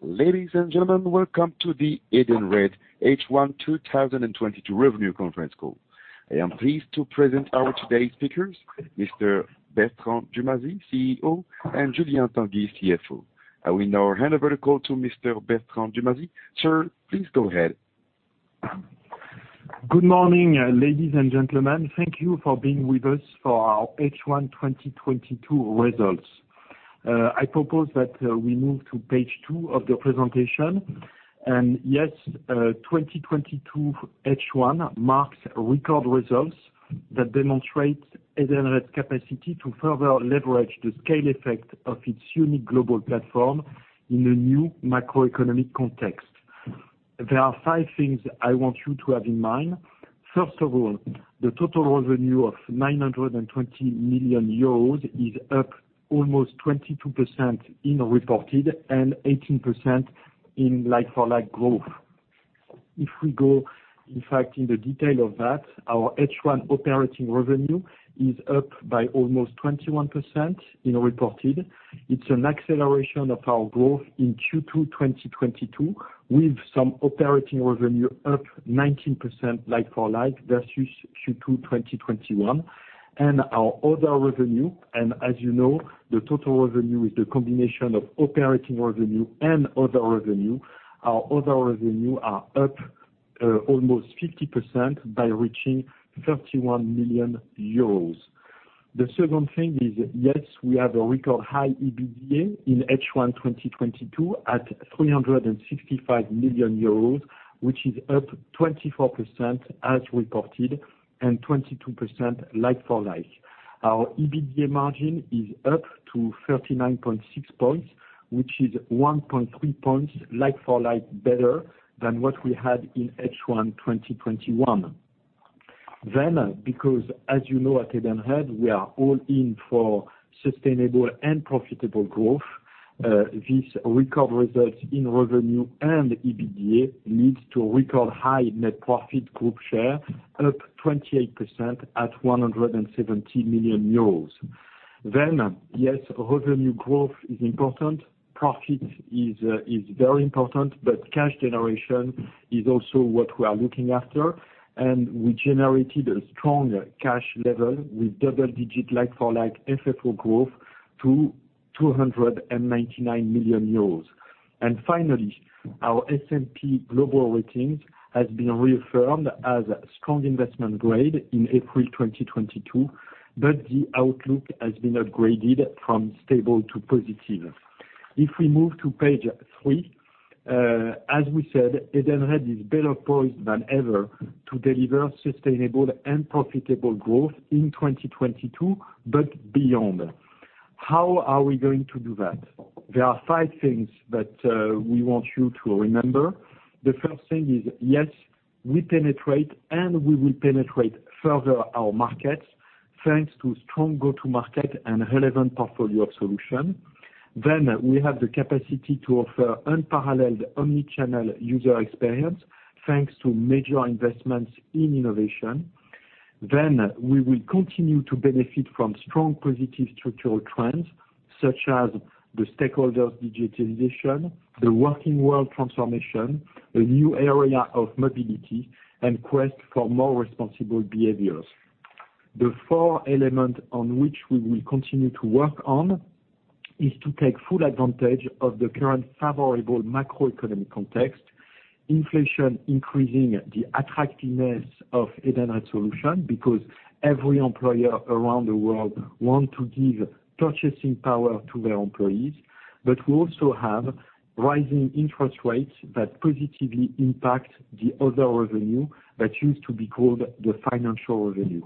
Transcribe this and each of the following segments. Ladies and gentlemen, welcome to the Edenred H1 2022 Revenue Conference Call. I am pleased to present our today's speakers, Mr. Bertrand Dumazy, CEO, and Julien Tanguy, CFO. I will now hand over the call to Mr. Bertrand Dumazy. Sir, please go ahead. Good morning, ladies and gentlemen. Thank you for being with us for our H1 2022 results. I propose that we move to page two of the presentation. Yes, 2022 H1 marks record results that demonstrates Edenred's capacity to further leverage the scale effect of its unique global platform in a new macroeconomic context. There are five things I want you to have in mind. First of all, the total revenue of 920 million euros is up almost 22% in reported and 18% in like-for-like growth. If we go, in fact, into the detail of that, our H1 operating revenue is up by almost 21% in reported. It's an acceleration of our growth in Q2 2022, with some operating revenue up 19% like for like versus Q2 2021. Our other revenue, and as you know, the total revenue is the combination of operating revenue and other revenue. Our other revenue are up almost 50% by reaching 31 million euros. The second thing is, yes, we have a record high EBITDA in H1 2022 at 365 million euros, which is up 24% as reported and 22% like for like. Our EBITDA margin is up to 39.6 points, which is 1.3 points like for like better than what we had in H1 2021. Because as you know, at Edenred, we are all in for sustainable and profitable growth, this record results in revenue and EBITDA leads to a record high net profit group share, up 28% at 170 million euros. Yes, revenue growth is important, profit is very important, but cash generation is also what we are looking after. We generated a strong cash level with double-digit like-for-like FFO growth to 299 million euros. Finally, our S&P Global Ratings has been reaffirmed as strong investment-grade in April 2022, but the outlook has been upgraded from stable to positive. If we move to page three, as we said, Edenred is better poised than ever to deliver sustainable and profitable growth in 2022, but beyond. How are we going to do that? There are five things that we want you to remember. The first thing is, yes, we penetrate and we will penetrate further our markets thanks to strong go-to-market and relevant portfolio of solution. We have the capacity to offer unparalleled omni-channel user experience thanks to major investments in innovation. We will continue to benefit from strong positive structural trends, such as the stakeholders digitalization, the working world transformation, a new era of mobility, and quest for more responsible behaviors. The four element on which we will continue to work on is to take full advantage of the current favorable macroeconomic context, inflation increasing the attractiveness of Edenred solution because every employer around the world want to give purchasing power to their employees. We also have rising interest rates that positively impact the other revenue that used to be called the financial revenue.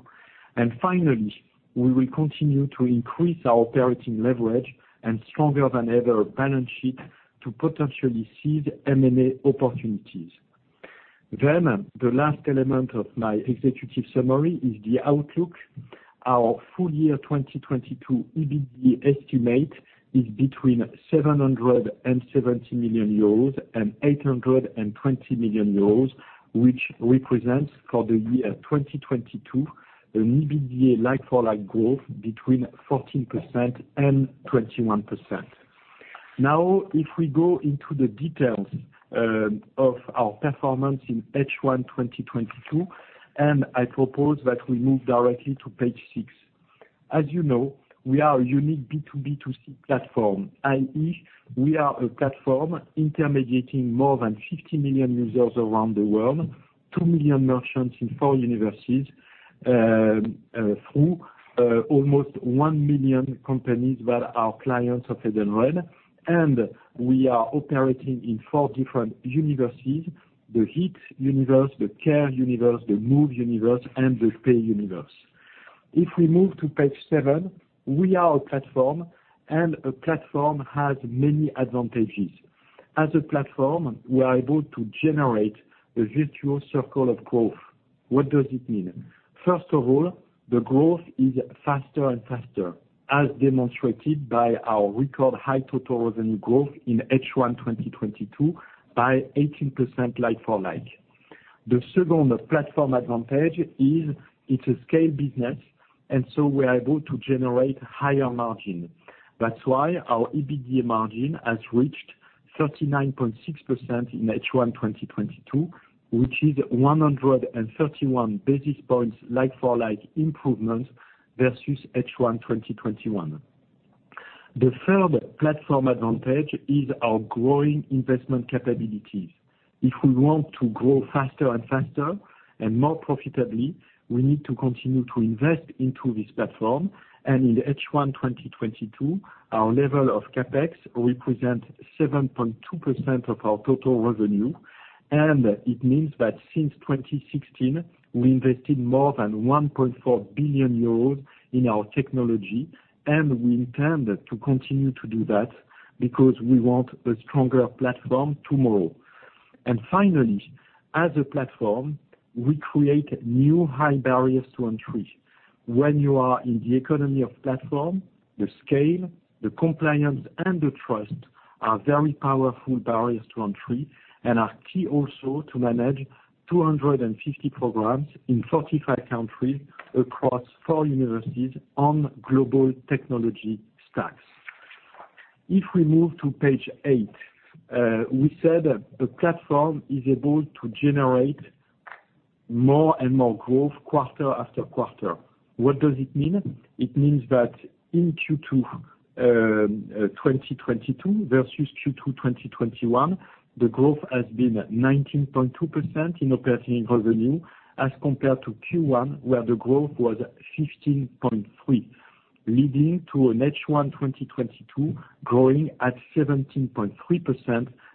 Finally, we will continue to increase our operating leverage and stronger than ever balance sheet to potentially seize M&A opportunities. The last element of my executive summary is the outlook. Our full year 2022 EBITDA estimate is between 770 million euros and 820 million euros, which represents for the year 2022 an EBITDA like-for-like growth between 14% and 21%. Now if we go into the details of our performance in H1 2022, and I propose that we move directly to page six. As you know, we are a unique B2B2C platform, i.e., we are a platform intermediating more than 50 million users around the world, 2 million merchants in four universes, through almost 1 million companies that are clients of Edenred, and we are operating in four different universes: the fleet universe, the care universe, the move universe, and the pay universe. If we move to page seven, we are a platform, and a platform has many advantages. As a platform, we are able to generate a virtual circle of growth. What does it mean? First of all, the growth is faster and faster, as demonstrated by our record high total revenue growth in H1 2022 by 18% like for like. The second platform advantage is it's a scale business, and so we are able to generate higher margin. That's why our EBITDA margin has reached 39.6% in H1 2022, which is 131 basis points like-for-like improvement versus H1 2021. The third platform advantage is our growing investment capabilities. If we want to grow faster and faster and more profitably, we need to continue to invest into this platform. In H1 2022, our level of CapEx represent 7.2% of our total revenue. It means that since 2016, we invested more than 1.4 billion euros in our technology, and we intend to continue to do that because we want a stronger platform tomorrow. Finally, as a platform, we create new high barriers to entry. When you are in the economy of platform, the scale, the compliance, and the trust are very powerful barriers to entry, and are key also to manage 250 programs in 45 countries across four continents on global technology stacks. If we move to page eight, we said the platform is able to generate more and more growth quarter after quarter. What does it mean? It means that in Q2 2022 versus Q2 2021, the growth has been 19.2% in operating revenue as compared to Q1, where the growth was 15.3%, leading to an H1 2022 growing at 17.3%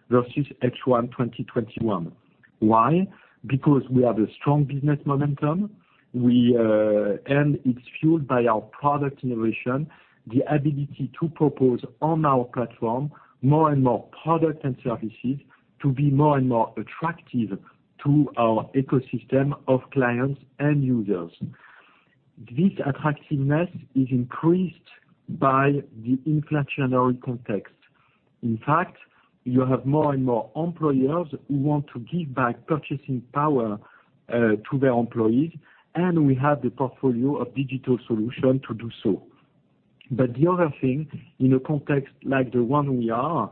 versus H1 2021. Why? Because we have a strong business momentum. It's fueled by our product innovation, the ability to propose on our platform more and more product and services to be more and more attractive to our ecosystem of clients and users. This attractiveness is increased by the inflationary context. In fact, you have more and more employers who want to give back purchasing power to their employees, and we have the portfolio of digital solution to do so. The other thing, in a context like the one we are,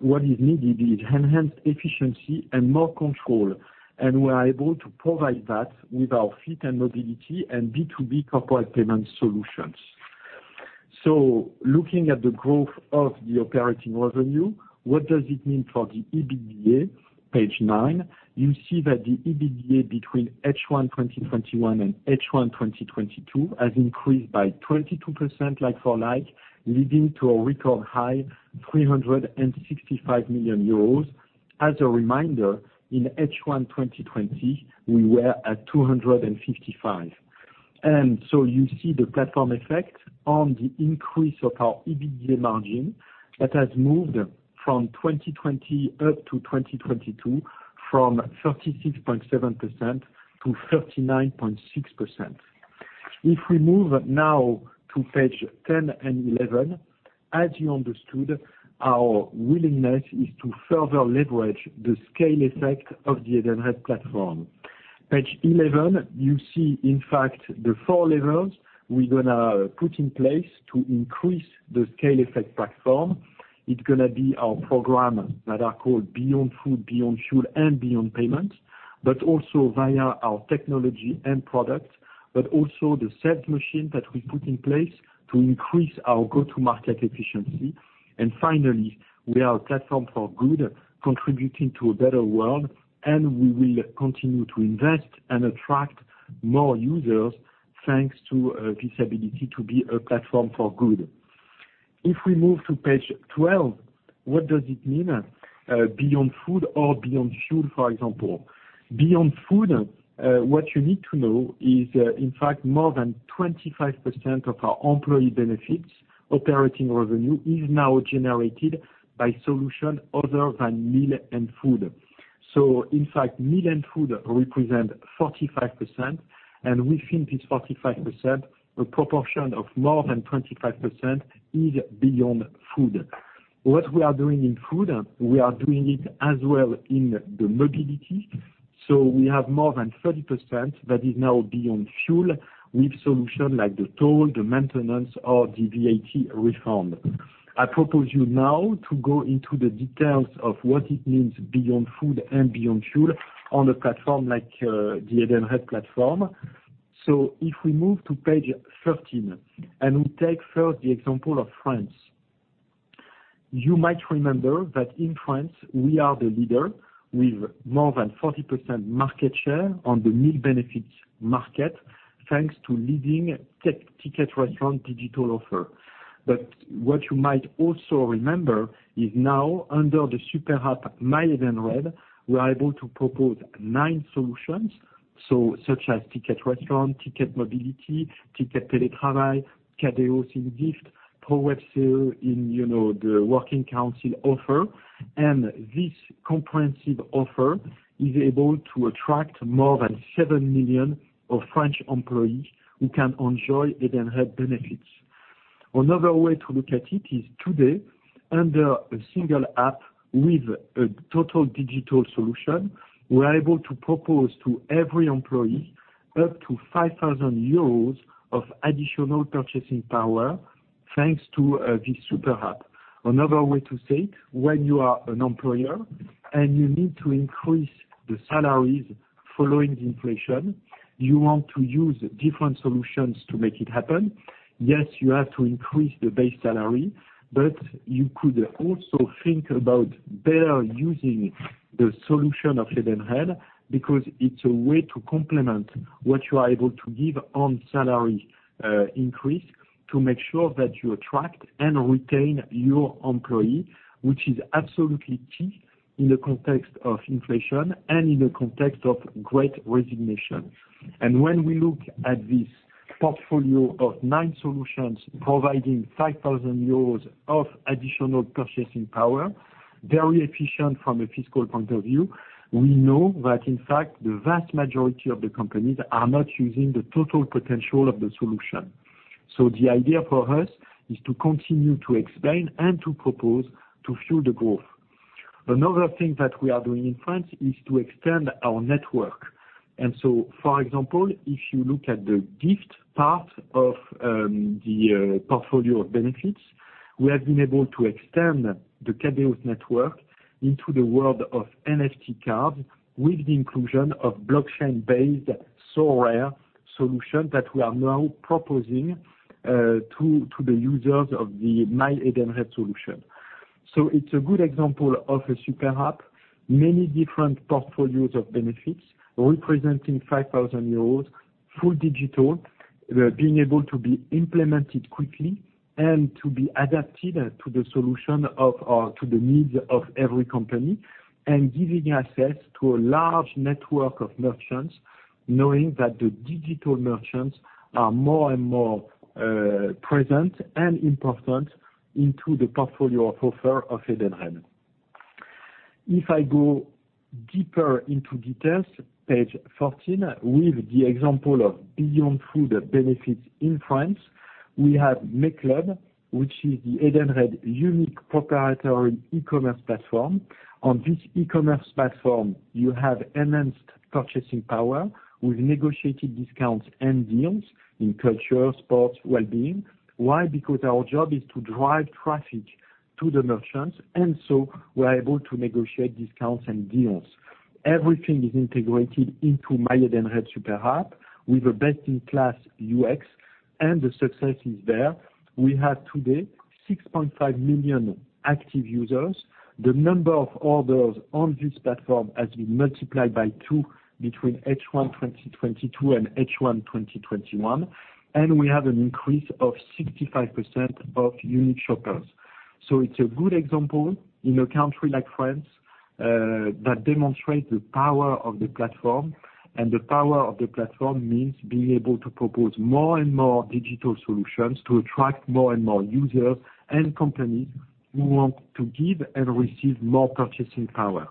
what is needed is enhanced efficiency and more control, and we are able to provide that with our fleet and mobility and B2B corporate payment solutions. Looking at the growth of the operating revenue, what does it mean for the EBITDA? Page nine, you see that the EBITDA between H1 2021 and H1 2022 has increased by 22% like-for-like, leading to a record high 365 million euros. As a reminder, in H1 2020, we were at 255 million. You see the platform effect on the increase of our EBITDA margin that has moved from 2020 up to 2022, from 36.7% to 39.6%. If we move now to page 10 and 11, as you understood, our willingness is to further leverage the scale effect of the Edenred platform. Page 11, you see, in fact, the four levels we're gonna put in place to increase the scale effect platform. It's gonna be our program that are called Beyond Food, Beyond Fuel, and Beyond Payment, but also via our technology and product, but also the sales machine that we put in place to increase our go-to-market efficiency. Finally, we are a platform for good, contributing to a better world, and we will continue to invest and attract more users, thanks to this ability to be a platform for good. If we move to page 12, what does it mean, Beyond Food or Beyond Fuel, for example? Beyond Food, what you need to know is, in fact, more than 25% of our employee benefits operating revenue is now generated by solution other than meal and food. In fact, meal and food represent 45%, and within this 45%, a proportion of more than 25% is Beyond Food. What we are doing in food, we are doing it as well in the mobility. We have more than 30% that is now Beyond Fuel with solution like the toll, the maintenance or the VAT refund. I propose you now to go into the details of what it means Beyond Food and Beyond Fuel on a platform like, the Edenred platform. If we move to page 13 and we take first the example of France. You might remember that in France, we are the leader with more than 40% market share on the meal benefits market, thanks to leading Ticket Restaurant digital offer. What you might also remember is now under the super app, MyEdenred, we are able to propose nine solutions, such as Ticket Restaurant, Ticket Mobility, Ticket Télétravail, Cadeos e-gift, ProwebCE, you know, the works council offer. This comprehensive offer is able to attract more than 7 million of French employees who can enjoy Edenred benefits. Another way to look at it is today, under a single app with a total digital solution, we're able to propose to every employee up to 5,000 euros of additional purchasing power thanks to this super app. Another way to say it, when you are an employer and you need to increase the salaries following the inflation, you want to use different solutions to make it happen. Yes, you have to increase the base salary, but you could also think about better using the solution of Edenred because it's a way to complement what you are able to give on salary, increase to make sure that you attract and retain your employee, which is absolutely key in the context of inflation and in the context of great resignation. When we look at this portfolio of nine solutions providing 5,000 euros of additional purchasing power, very efficient from a fiscal point of view. We know that in fact, the vast majority of the companies are not using the total potential of the solution. The idea for us is to continue to explain and to propose to fuel the growth. Another thing that we are doing in France is to extend our network. For example, if you look at the gift part of the portfolio of benefits, we have been able to extend the Cadeos network into the world of NFT cards with the inclusion of blockchain-based Sorare solution that we are now proposing to the users of the MyEdenred solution. It's a good example of a super app, many different portfolios of benefits representing 5,000 euros, full digital, being able to be implemented quickly and to be adapted to the solution of, or to the needs of every company, and giving access to a large network of merchants, knowing that the digital merchants are more and more present and important into the portfolio offer of Edenred. If I go deeper into details, page 14, with the example of Beyond Food benefits in France, we have MyClub, which is the Edenred unique proprietary e-commerce platform. On this e-commerce platform, you have enhanced purchasing power with negotiated discounts and deals in culture, sports, well-being. Why? Because our job is to drive traffic to the merchants, and so we're able to negotiate discounts and deals. Everything is integrated into MyEdenred super app with a best-in-class UX, and the success is there. We have today 6.5 million active users. The number of orders on this platform has been multiplied by two between H1 2022 and H1 2021, and we have an increase of 65% of unique shoppers. It's a good example in a country like France that demonstrates the power of the platform, and the power of the platform means being able to propose more and more digital solutions to attract more and more users and companies who want to give and receive more purchasing power.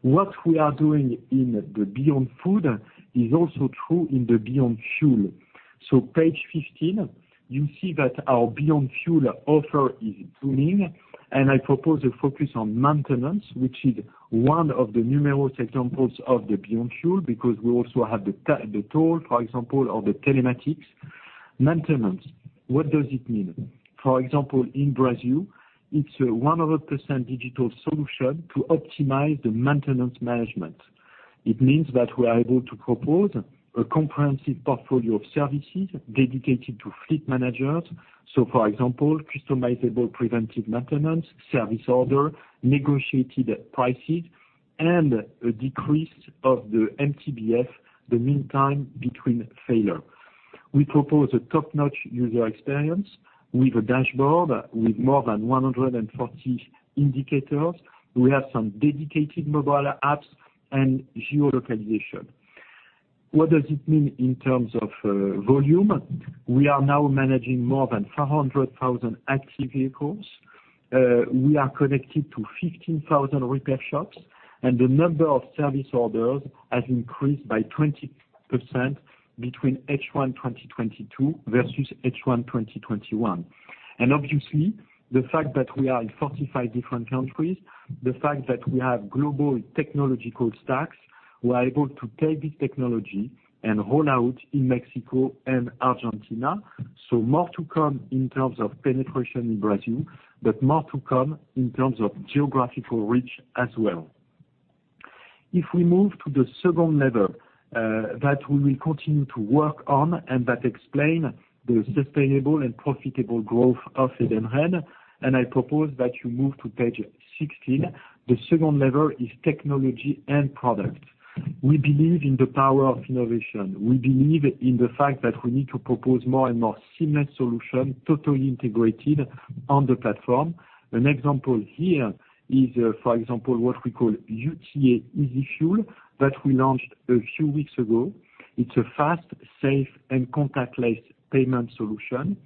What we are doing in the Beyond Food is also true in the Beyond Fuel. Page 15, you see that our Beyond Fuel offer is booming, and I propose a focus on maintenance, which is one of the numerous examples of the Beyond Fuel, because we also have the tool, for example, or the telematics. Maintenance, what does it mean? For example, in Brazil, it's a 100% digital solution to optimize the maintenance management. It means that we are able to propose a comprehensive portfolio of services dedicated to fleet managers. For example, customizable preventive maintenance, service order, negotiated prices, and a decrease of the MTBF, the mean time between failures. We propose a top-notch user experience with a dashboard with more than 140 indicators. We have some dedicated mobile apps and geo-localization. What does it mean in terms of volume? We are now managing more than 400,000 active vehicles. We are connected to 15,000 repair shops, and the number of service orders has increased by 20% between H1 2022 versus H1 2021. Obviously, the fact that we are in 45 different countries, the fact that we have global technological stacks, we are able to take this technology and roll out in Mexico and Argentina. More to come in terms of penetration in Brazil, but more to come in terms of geographical reach as well. If we move to the second level, that we will continue to work on and that explain the sustainable and profitable growth of Edenred, and I propose that you move to page 16. The second level is technology and product. We believe in the power of innovation. We believe in the fact that we need to propose more and more seamless solution, totally integrated on the platform. An example here is, for example, what we call UTA EasyFuel that we launched a few weeks ago. It's a fast, safe, and contactless payment solution.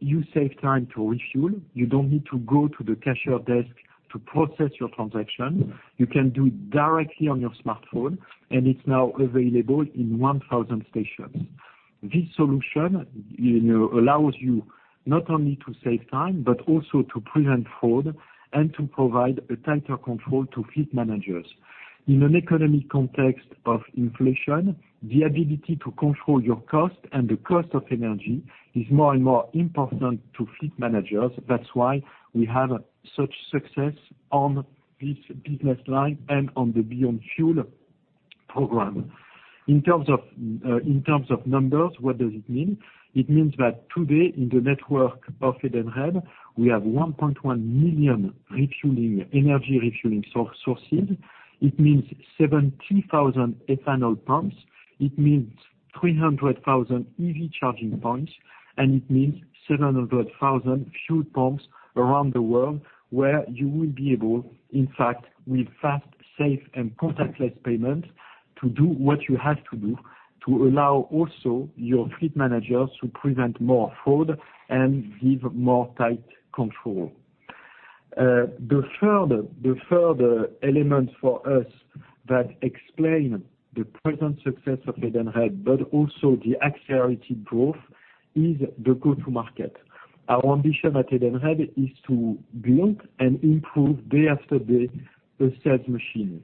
You save time to refuel. You don't need to go to the cashier desk to process your transaction. You can do it directly on your smartphone, and it's now available in 1,000 stations. This solution, you know, allows you not only to save time, but also to prevent fraud and to provide a tighter control to fleet managers. In an economic context of inflation, the ability to control your cost and the cost of energy is more and more important to fleet managers. That's why we have such success on this business line and on the Beyond Fuel program. In terms of numbers, what does it mean? It means that today in the network of Edenred, we have 1.1 million refueling, energy refueling sources. It means 70,000 ethanol pumps. It means 300,000 EV charging points, and it means 700,000 fuel pumps around the world where you will be able, in fact, with fast, safe, and contactless payments to do what you have to do to allow also your fleet managers to prevent more fraud and give more tight control. The further elements for us that explain the present success of Edenred, but also the accelerated growth is the go-to market. Our ambition at Edenred is to build and improve day after day the sales machine.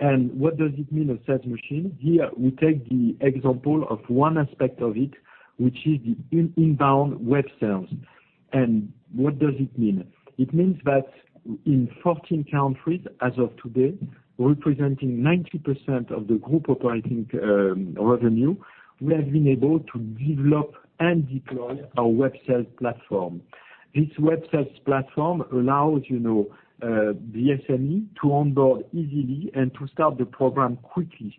What does it mean, a sales machine? Here we take the example of one aspect of it, which is the inbound web sales. What does it mean? It means that in 14 countries as of today, representing 90% of the group operating revenue, we have been able to develop and deploy our web sales platform. This web sales platform allows, you know, the SME to onboard easily and to start the program quickly.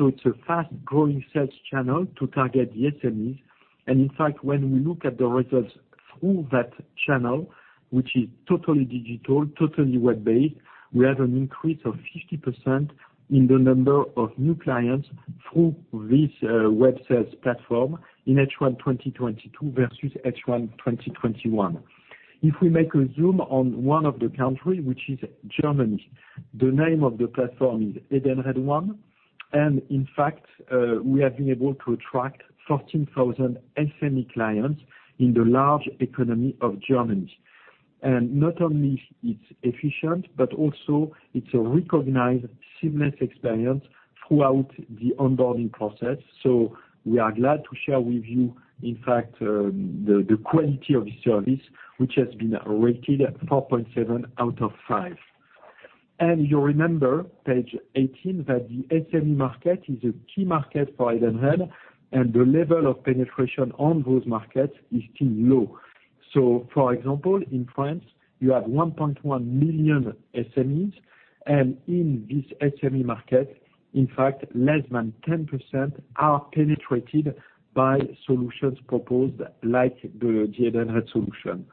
It's a fast-growing sales channel to target the SMEs. In fact, when we look at the results through that channel, which is totally digital, totally web-based, we have an increase of 50% in the number of new clients through this web sales platform in H1 2022 versus H1 2021. If we make a zoom on one of the countries, which is Germany, the name of the platform is Edenred One. In fact, we have been able to attract 14,000 SME clients in the large economy of Germany. Not only it's efficient, but also it's a recognized seamless experience throughout the onboarding process. We are glad to share with you, in fact, the quality of the service, which has been rated 4.7 out of 5. You remember page 18 that the SME market is a key market for Edenred, and the level of penetration on those markets is still low. For example, in France, you have 1.1 million SMEs. In this SME market, in fact less than 10% are penetrated by solutions proposed like the Edenred solution.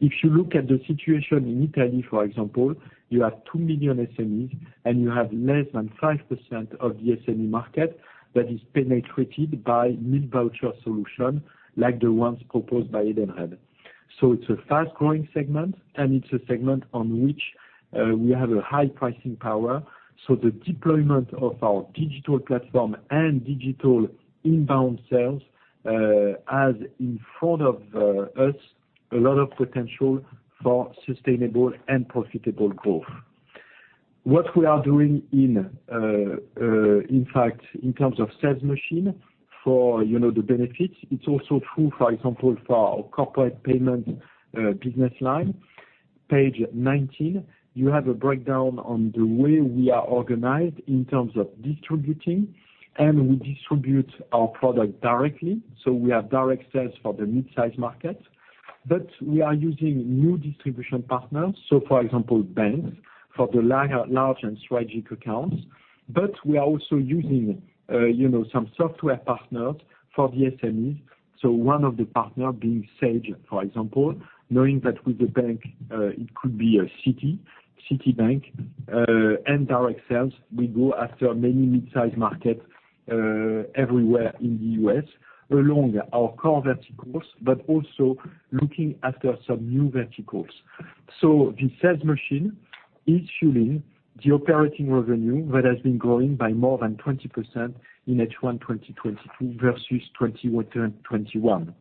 If you look at the situation in Italy, for example, you have 2 million SMEs, and you have less than 5% of the SME market that is penetrated by meal voucher solution like the ones proposed by Edenred. It's a fast-growing segment, and it's a segment on which we have a high pricing power. The deployment of our digital platform and digital inbound sales has in front of us a lot of potential for sustainable and profitable growth. What we are doing in fact in terms of sales machine for, you know, the benefits, it's also true, for example, for our corporate payment business line. Page 19, you have a breakdown on the way we are organized in terms of distributing, and we distribute our product directly. We have direct sales for the midsize market. We are using new distribution partners, so for example, banks for the large and strategic accounts. We are also using, you know, some software partners for the SMEs. One of the partner being Sage, for example, knowing that with the bank, it could be a Citi, Citibank, and direct sales. We go after many mid-sized markets, everywhere in the U.S. along our core verticals, but also looking after some new verticals. The sales machine is fueling the operating revenue that has been growing by more than 20% in H1 2022 versus 2021.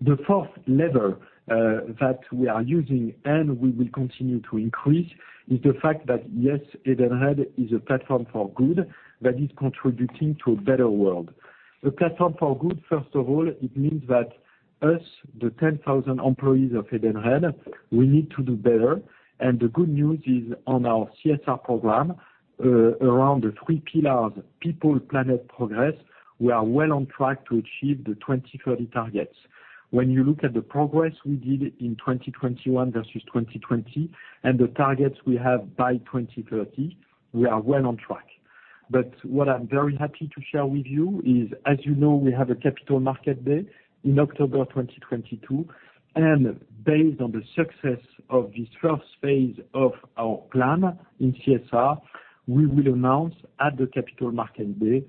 The fourth lever, that we are using and we will continue to increase is the fact that yes, Edenred is a platform for good that is contributing to a better world. A platform for good, first of all, it means that us, the 10,000 employees of Edenred, we need to do better. The good news is on our CSR program, around the three pillars, people, planet, progress, we are well on track to achieve the 2030 targets. When you look at the progress we did in 2021 versus 2020 and the targets we have by 2030, we are well on track. But what I'm very happy to share with you is, as you know, we have a capital market day in October 2022. Based on the success of this first phase of our plan in CSR, we will announce at the capital market day,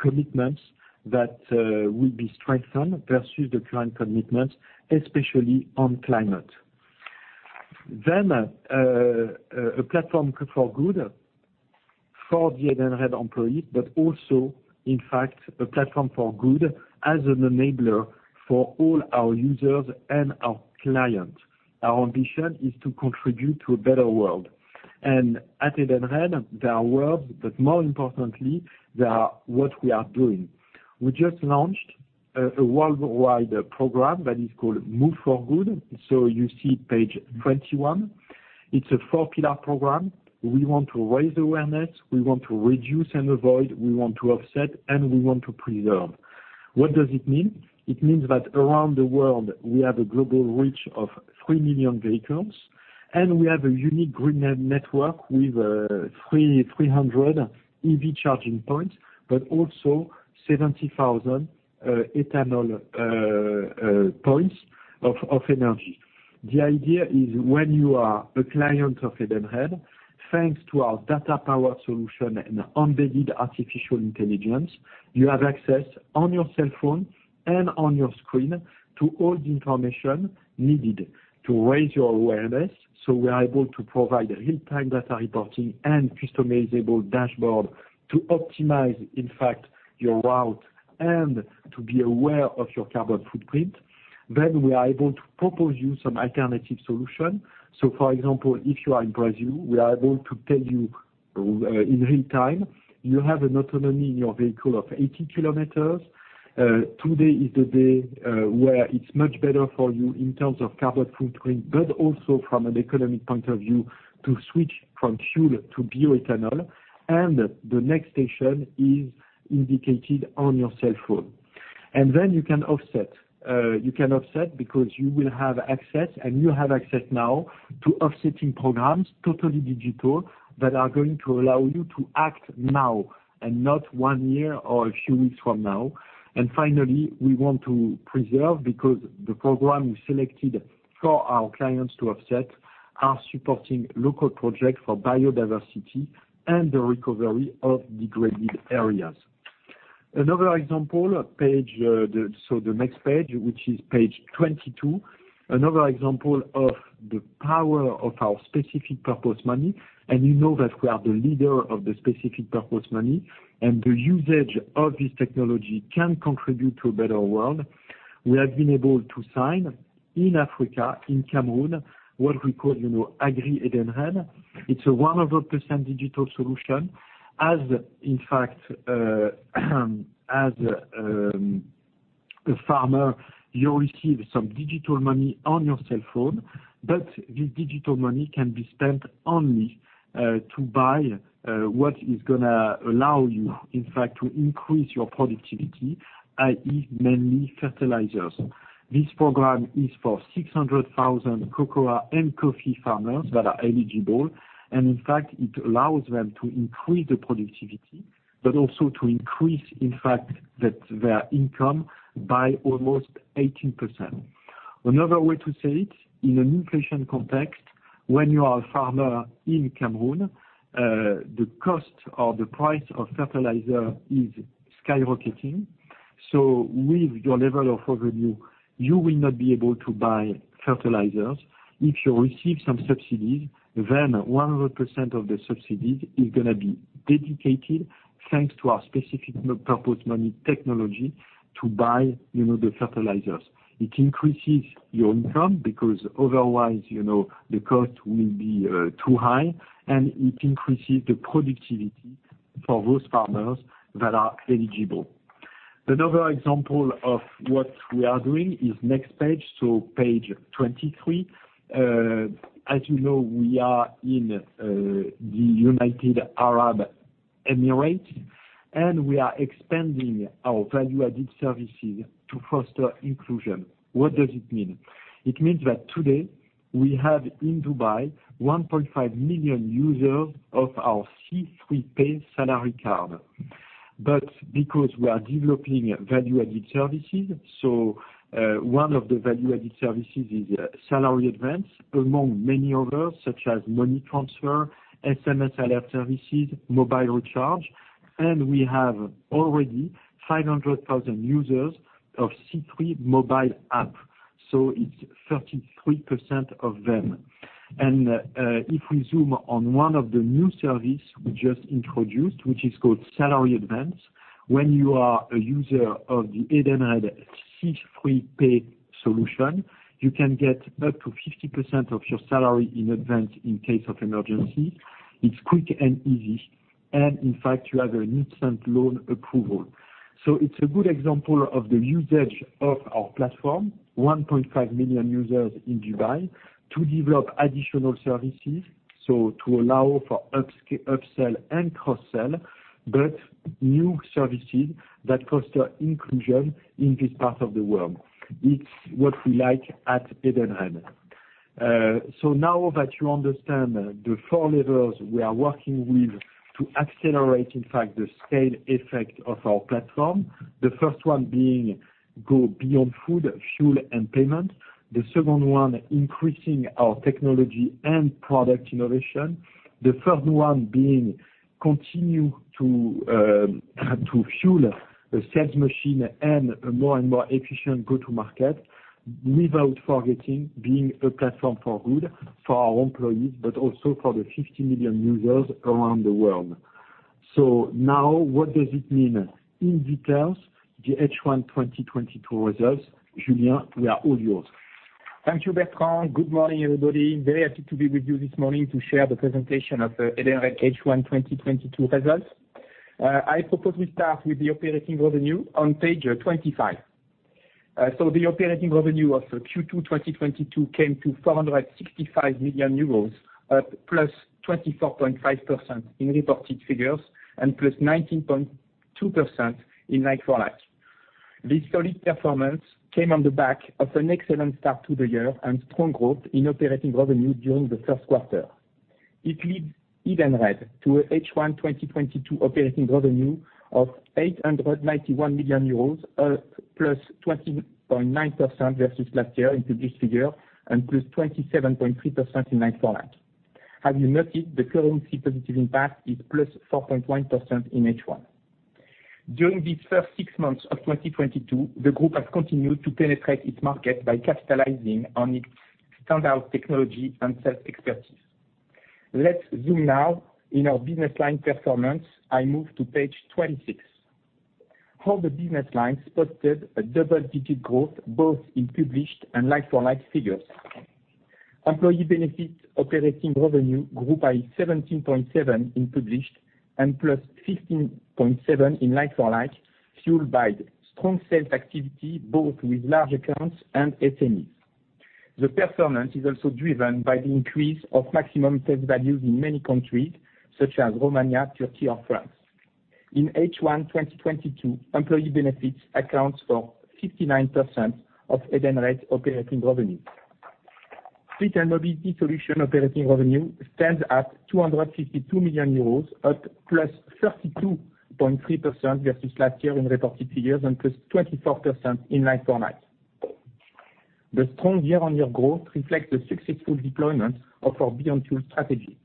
commitments that will be strengthened versus the current commitments especially on climate. A platform for good for the Edenred employees, but also, in fact, a platform for good as an enabler for all our users and our clients. Our ambition is to contribute to a better world. At Edenred, there are words, but more importantly, they are what we are doing. We just launched a worldwide program that is called Move for Good. You see page 21. It's a four-pillar program. We want to raise awareness, we want to reduce and avoid, we want to offset, and we want to preserve. What does it mean? It means that around the world, we have a global reach of 3 million vehicles, and we have a unique green network with 300 EV charging points, but also 70,000 ethanol points of energy. The idea is when you are a client of Edenred, thanks to our data power solution and embedded artificial intelligence, you have access on your cell phone and on your screen to all the information needed to raise your awareness. We are able to provide real-time data reporting and customizable dashboard to optimize, in fact, your route and to be aware of your carbon footprint. We are able to propose you some alternative solution. For example, if you are in Brazil, we are able to tell you, in real time, you have an autonomy in your vehicle of 80 km. Today is the day, where it's much better for you in terms of carbon footprint, but also from an economic point of view, to switch from fuel to bioethanol, and the next station is indicated on your cell phone. You can offset. You can offset because you will have access, and you have access now to offsetting programs, totally digital, that are going to allow you to act now and not one year or a few weeks from now. Finally, we want to preserve because the program we selected for our clients to offset are supporting local projects for biodiversity and the recovery of degraded areas. Another example on the next page, which is page 22. Another example of the power of our specific purpose money, and you know that we are the leader of the specific purpose money, and the usage of this technology can contribute to a better world. We have been able to sign in Africa, in Cameroon, what we call, you know, Agri Edenred. It's a 100% digital solution. As, in fact, as a farmer, you receive some digital money on your cell phone, but this digital money can be spent only to buy what is gonna allow you, in fact, to increase your productivity, i.e., mainly fertilizers. This program is for 600,000 cocoa and coffee farmers that are eligible. In fact, it allows them to increase the productivity, but also to increase, in fact, that their income by almost 18%. Another way to say it, in an inflation context, when you are a farmer in Cameroon, the cost or the price of fertilizer is skyrocketing. With your level of revenue, you will not be able to buy fertilizers. If you receive some subsidies, then 100% of the subsidies is gonna be dedicated, thanks to our specific purpose money technology, to buy, you know, the fertilizers. It increases your income because otherwise, you know, the cost will be too high, and it increases the productivity for those farmers that are eligible. Another example of what we are doing is next page, so page 23. As you know, we are in the United Arab Emirates, and we are expanding our value-added services to foster inclusion. What does it mean? It means that today, we have in Dubai 1.5 million users of our C3 Pay salary card. Because we are developing value-added services, one of the value-added services is Salary Advance, among many others, such as money transfer, SMS alert services, mobile recharge. We have already 500,000 users of C3 mobile app, so it's 33% of them. If we zoom on one of the new service we just introduced, which is called Salary Advance, when you are a user of the Edenred C3 Pay solution, you can get up to 50% of your salary in advance in case of emergency. It's quick and easy. In fact, you have an instant loan approval. It's a good example of the usage of our platform, 1.5 million users in Dubai, to develop additional services, so to allow for upsell and cross-sell, but new services that foster inclusion in this part of the world. It's what we like at Edenred. Now that you understand the four levels we are working with to accelerate, in fact, the scale effect of our platform. The first one being go beyond food, fuel, and payment. The second one, increasing our technology and product innovation. The third one being continue to fuel a sales machine and a more and more efficient go-to-market, without forgetting being a platform for good for our employees, but also for the 50 million users around the world. Now what does it mean in detail, the H1 2022 results? Julien, we are all yours. Thank you, Bertrand. Good morning, everybody. Very happy to be with you this morning to share the presentation of the Edenred H1 2022 results. I propose we start with the operating revenue on page 25. The operating revenue of Q2 2022 came to EUR 465 million, +24.5% in reported figures and +19.2% in like for like. This solid performance came on the back of an excellent start to the year and strong growth in operating revenue during the first quarter. It leads Edenred to a H1 2022 operating revenue of 891 million euros, +20.9% versus last year in reported figures and +27.3% in like for like. Have you noted the currency positive impact is +4.1% in H1. During these first six months of 2022, the group has continued to penetrate its market by capitalizing on its standout technology and sales expertise. Let's zoom in now on our business line performance. I move to page 26. All the business lines posted a double-digit growth, both in published and like-for-like figures. Employee Benefits operating revenue grew by 17.7% in published and +15.7% in like-for-like, fueled by strong sales activity both with large accounts and SMEs. The performance is also driven by the increase of maximum vest values in many countries, such as Romania, Turkey or France. In H1 2022, Employee Benefits accounts for 59% of Edenred's operating revenue. Fleet and Mobility solution operating revenue stands at 252 million euros, at +32.3% versus last year in reported figures and +24% in like for like. The strong year-on-year growth reflects the successful deployment of our Beyond Fuel strategy.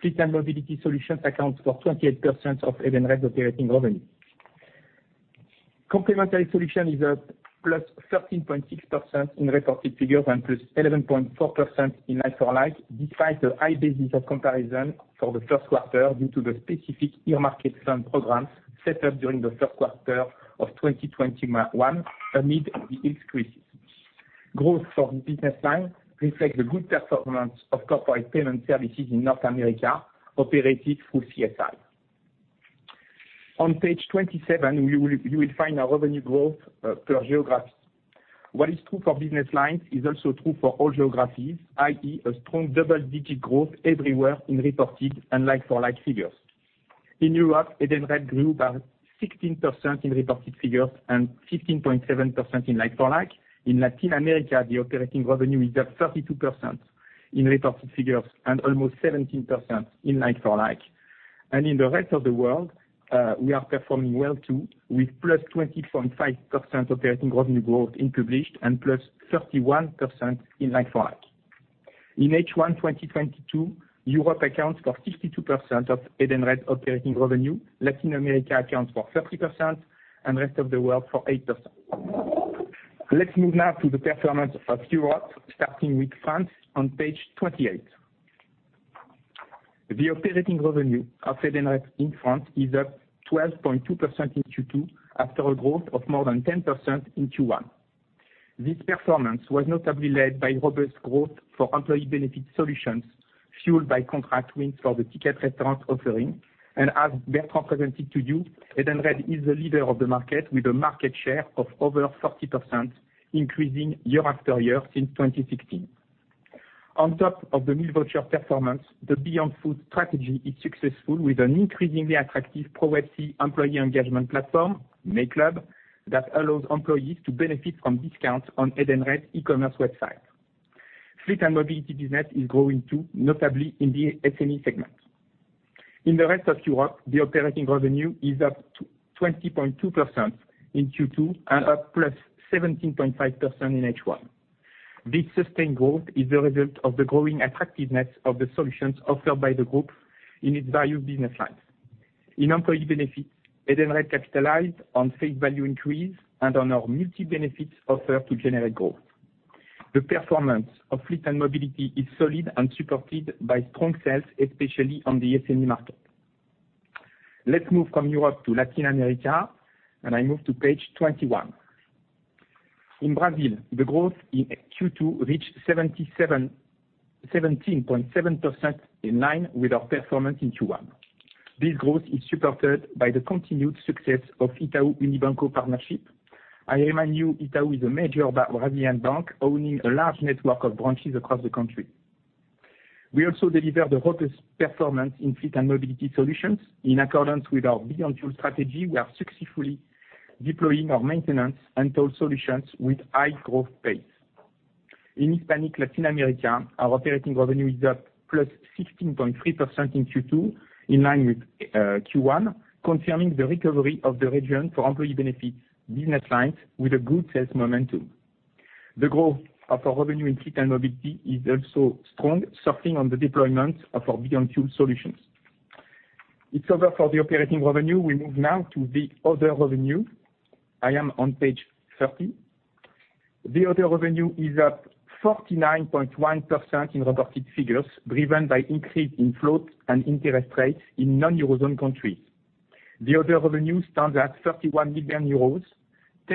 Fleet and Mobility solutions accounts for 28% of Edenred's operating revenue. Complementary Solutions is at +13.6% in reported figures and +11.4% in like for like, despite the high basis of comparison for the first quarter due to the specific Earmarked Fund program set up during the first quarter of 2021 amid the health crisis. Growth for the business line reflects the good performance of corporate payment services in North America, operated through CSI. On page 27, you will find our revenue growth per geography. What is true for business lines is also true for all geographies, i.e., a strong double-digit growth everywhere in reported and like-for-like figures. In Europe, Edenred grew by 16% in reported figures and 15.7% in like-for-like. In Latin America, the operating revenue is up 32% in reported figures and almost 17% in like-for-like. In the rest of the world, we are performing well too, with plus 20.5% operating revenue growth in published and plus 31% in like-for-like. In H1 2022, Europe accounts for 52% of Edenred operating revenue, Latin America accounts for 30%, and rest of the world for 8%. Let's move now to the performance of Europe, starting with France on page 28. The operating revenue of Edenred in France is up 12.2% in Q2, after a growth of more than 10% in Q1. This performance was notably led by robust growth for employee benefit solutions, fueled by contract wins for the Ticket Restaurant offering. As Bertrand presented to you, Edenred is the leader of the market with a market share of over 40%, increasing year after year since 2016. On top of the meal voucher performance, the Beyond Food strategy is successful with an increasingly attractive proprietary employee engagement platform, MyClub, that allows employees to benefit from discounts on Edenred e-commerce website. Fleet & Mobility business is growing too, notably in the SME segment. In the rest of Europe, the operating revenue is up 20.2% in Q2 and up +17.5% in H1. This sustained growth is the result of the growing attractiveness of the solutions offered by the group in its value business lines. In employee benefit, Edenred capitalized on safe value increase and on our multi-benefits offer to generate growth. The performance of Fleet and Mobility is solid and supported by strong sales, especially on the SME market. Let's move from Europe to Latin America, and I move to page 21. In Brazil, the growth in Q2 reached 17.7% in line with our performance in Q1. This growth is supported by the continued success of Itaú Unibanco partnership. I remind you, Itaú is a major Brazilian bank owning a large network of branches across the country. We also delivered a robust performance in Fleet and Mobility solutions. In accordance with our Beyond Fuel strategy, we are successfully deploying our maintenance and toll solutions with high growth pace. In Hispanic Latin America, our operating revenue is up +16.3% in Q2, in line with Q1, confirming the recovery of the region for employee benefits business lines with a good sales momentum. The growth of our revenue in Fleet and Mobility is also strong, surfing on the deployment of our Beyond Fuel solutions. It's over for the operating revenue. We move now to the other revenue. I am on page 30. The other revenue is up 49.1% in reported figures, driven by increase in float and interest rates in non-Eurozone countries. The other revenue stands at 31 million euros, 10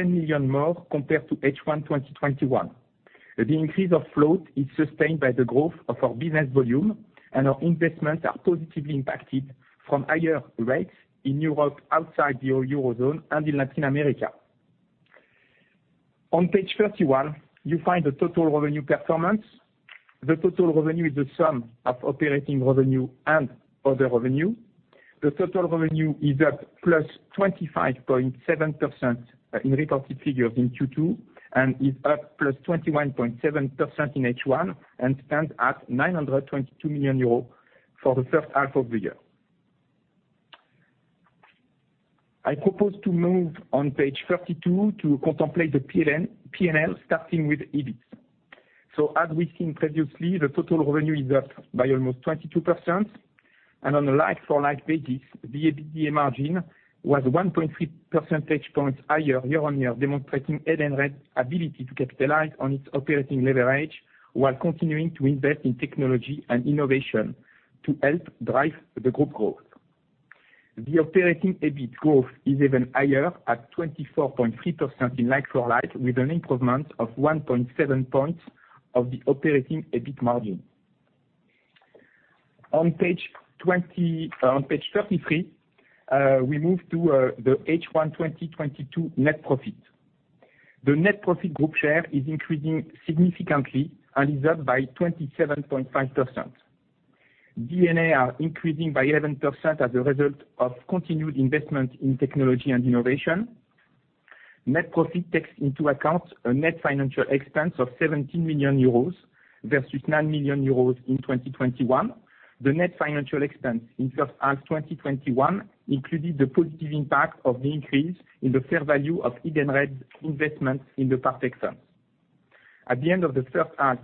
million more compared to H1 2021. The increase of float is sustained by the growth of our business volume, and our investments are positively impacted from higher rates in Europe, outside the Eurozone and in Latin America. On page 31, you find the total revenue performance. The total revenue is the sum of operating revenue and other revenue. The total revenue is up +25.7% in reported figures in Q2, and is up +21.7% in H1, and stands at 922 million euros for the first half of the year. I propose to move on page 32 to contemplate the P&L, starting with EBIT. As we've seen previously, the total revenue is up by almost 22%. On a like-for-like basis, the EBITDA margin was 1.3 percentage points higher year-on-year, demonstrating Edenred's ability to capitalize on its operating leverage while continuing to invest in technology and innovation to help drive the group growth. The operating EBIT growth is even higher at 24.3% in like-for-like, with an improvement of 1.7 points of the operating EBIT margin. On page 20, on page 33, we move to the H1 2022 net profit. The net profit group share is increasing significantly and is up by 27.5%. D&A are increasing by 11% as a result of continued investment in technology and innovation. Net profit takes into account a net financial expense of 17 million euros versus 9 million euros in 2021. The net financial expense in first half 2021 included the positive impact of the increase in the fair value of Edenred's investment in the Partech. At the end of the first half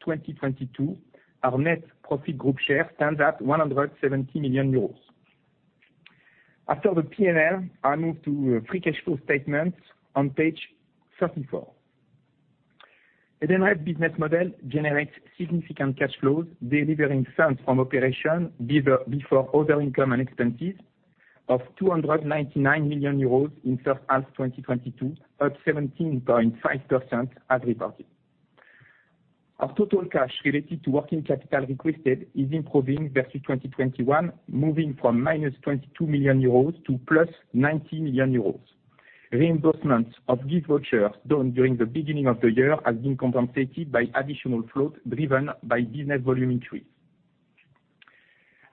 2022, our net profit group share stands at 170 million euros. After the P&L, I move to free cash flow statement on page 34. Edenred's business model generates significant cash flows, delivering funds from operations before other income and expenses of 299 million euros in first half 2022, up 17.5% as reported. Our total cash related to working capital requested is improving versus 2021, moving from -22 million euros to +90 million euros. Reimbursements of gift vouchers done during the beginning of the year has been compensated by additional float driven by business volume increase.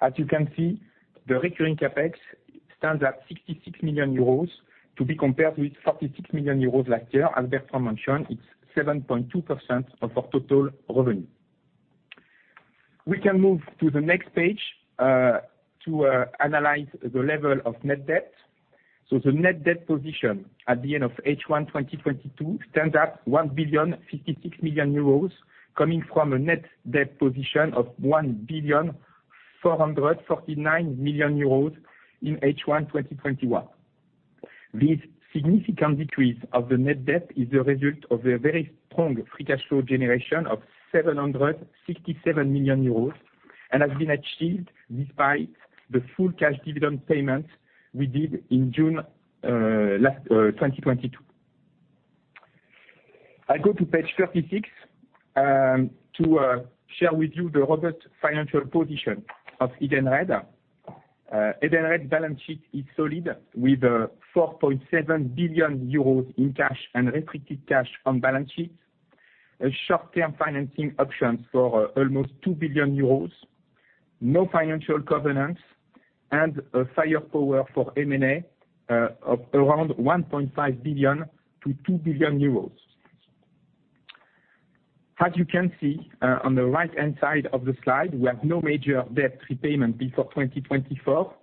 As you can see, the recurring CapEx stands at 66 million euros to be compared with 46 million euros last year. As Bertrand mentioned, it's 7.2% of our total revenue. We can move to the next page to analyze the level of net debt. The net debt position at the end of H1 2022 stands at 1.056 billion coming from a net debt position of 1.449 billion in H1 2021. This significant decrease of the net debt is the result of a very strong free cash flow generation of 767 million euros, and has been achieved despite the full cash dividend payment we did in June 2022. I go to page 36 to share with you the robust financial position of Edenred. Edenred balance sheet is solid, with 4.7 billion euros in cash and restricted cash on balance sheet, short-term financing options for almost 2 billion euros, no financial covenants, and a firepower for M&A of around 1.5 billion-2 billion euros. As you can see, on the right-hand side of the slide, we have no major debt repayment before 2024,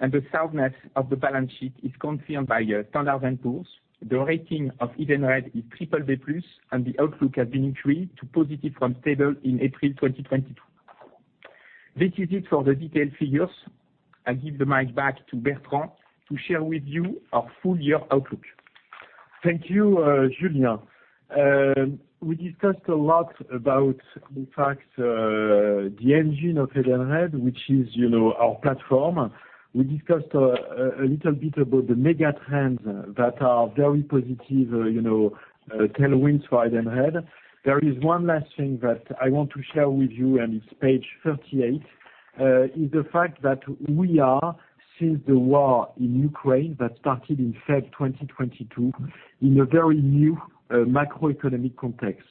and the soundness of the balance sheet is confirmed by Standard & Poor's. The rating of Edenred is BBB+, and the outlook has been increased to positive from stable in April 2022. This is it for the detailed figures. I give the mic back to Bertrand to share with you our full-year outlook. Thank you, Julien. We discussed a lot about, in fact, the engine of Edenred, which is, you know, our platform. We discussed a little bit about the mega trends that are very positive, you know, tailwinds for Edenred. There is one last thing that I want to share with you, and it's page 38, is the fact that we are, since the war in Ukraine that started in February 2022, in a very new macroeconomic context.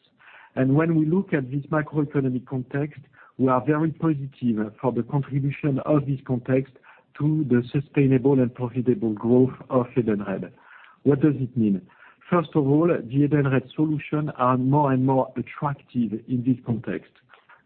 When we look at this macroeconomic context, we are very positive for the contribution of this context to the sustainable and profitable growth of Edenred. What does it mean? First of all, the Edenred solution are more and more attractive in this context.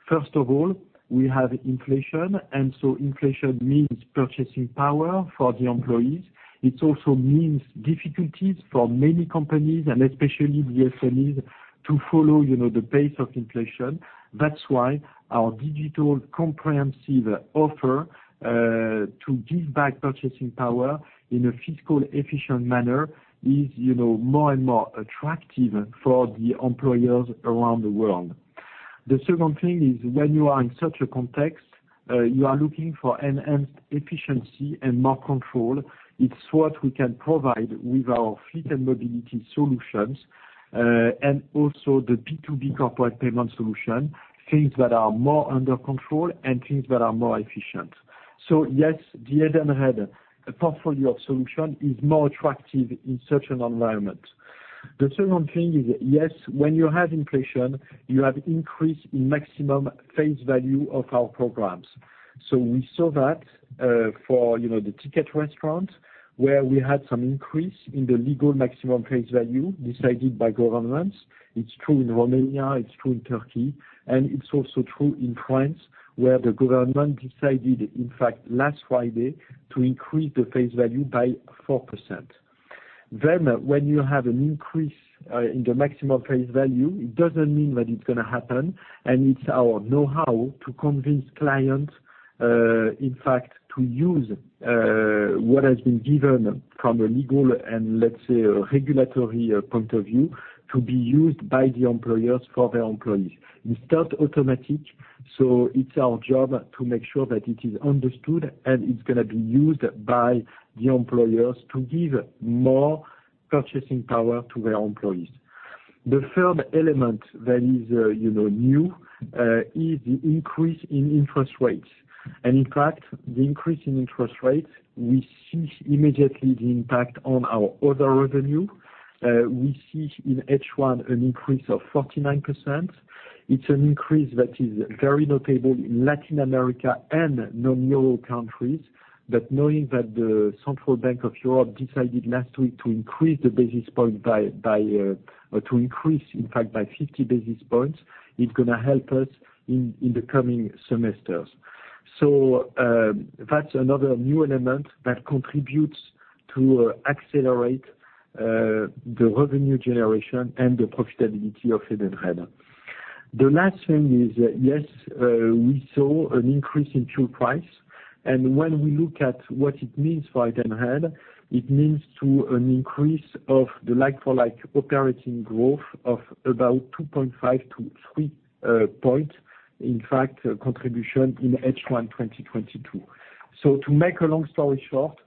First of all, we have inflation, and so inflation means purchasing power for the employees. It also means difficulties for many companies, and especially the SMEs, to follow, you know, the pace of inflation. That's why our digital comprehensive offer to give back purchasing power in a fiscally efficient manner is, you know, more and more attractive for the employers around the world. The second thing is when you are in such a context, you are looking for enhanced efficiency and more control. It's what we can provide with our fleet and mobility solutions, and also the B2B corporate payment solution, things that are more under control and things that are more efficient. So yes, the Edenred portfolio solution is more attractive in such an environment. The second thing is, yes, when you have inflation, you have increase in maximum face value of our programs. We saw that, for, you know, the Ticket Restaurant, where we had some increase in the legal maximum face value decided by governments. It's true in Romania, it's true in Turkey, and it's also true in France, where the government decided, in fact, last Friday to increase the face value by 4%. When you have an increase in the maximum face value, it doesn't mean that it's gonna happen. It's our know-how to convince clients, in fact, to use what has been given from a legal and, let's say, a regulatory point of view, to be used by the employers for their employees. It's not automatic, so it's our job to make sure that it is understood and it's gonna be used by the employers to give more purchasing power to their employees. The third element that is new is the increase in interest rates. In fact, the increase in interest rates, we see immediately the impact on our other revenue. We see in H1 an increase of 49%. It's an increase that is very notable in Latin America and non-euro countries. Knowing that the European Central Bank decided last week to increase by 50 basis points, it's gonna help us in the coming semesters. That's another new element that contributes to accelerate the revenue generation and the profitability of Edenred. The last thing is that we saw an increase in fuel price. When we look at what it means for Edenred, it means an increase of the like-for-like operating growth of about 2.5%-3% points, in fact, contribution in H1 2022. To make a long story short,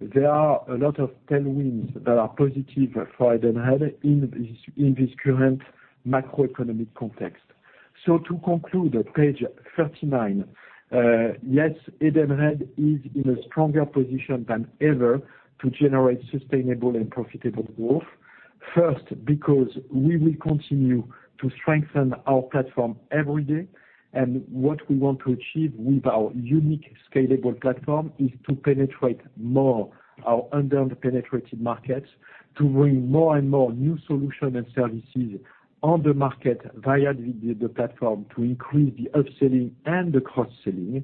there are a lot of tailwinds that are positive for Edenred in this current macroeconomic context. To conclude, page 39, yes, Edenred is in a stronger position than ever to generate sustainable and profitable growth. First, because we will continue to strengthen our platform every day, and what we want to achieve with our unique scalable platform is to penetrate more our under-penetrated markets, to bring more and more new solution and services on the market via the platform to increase the upselling and the cross-selling.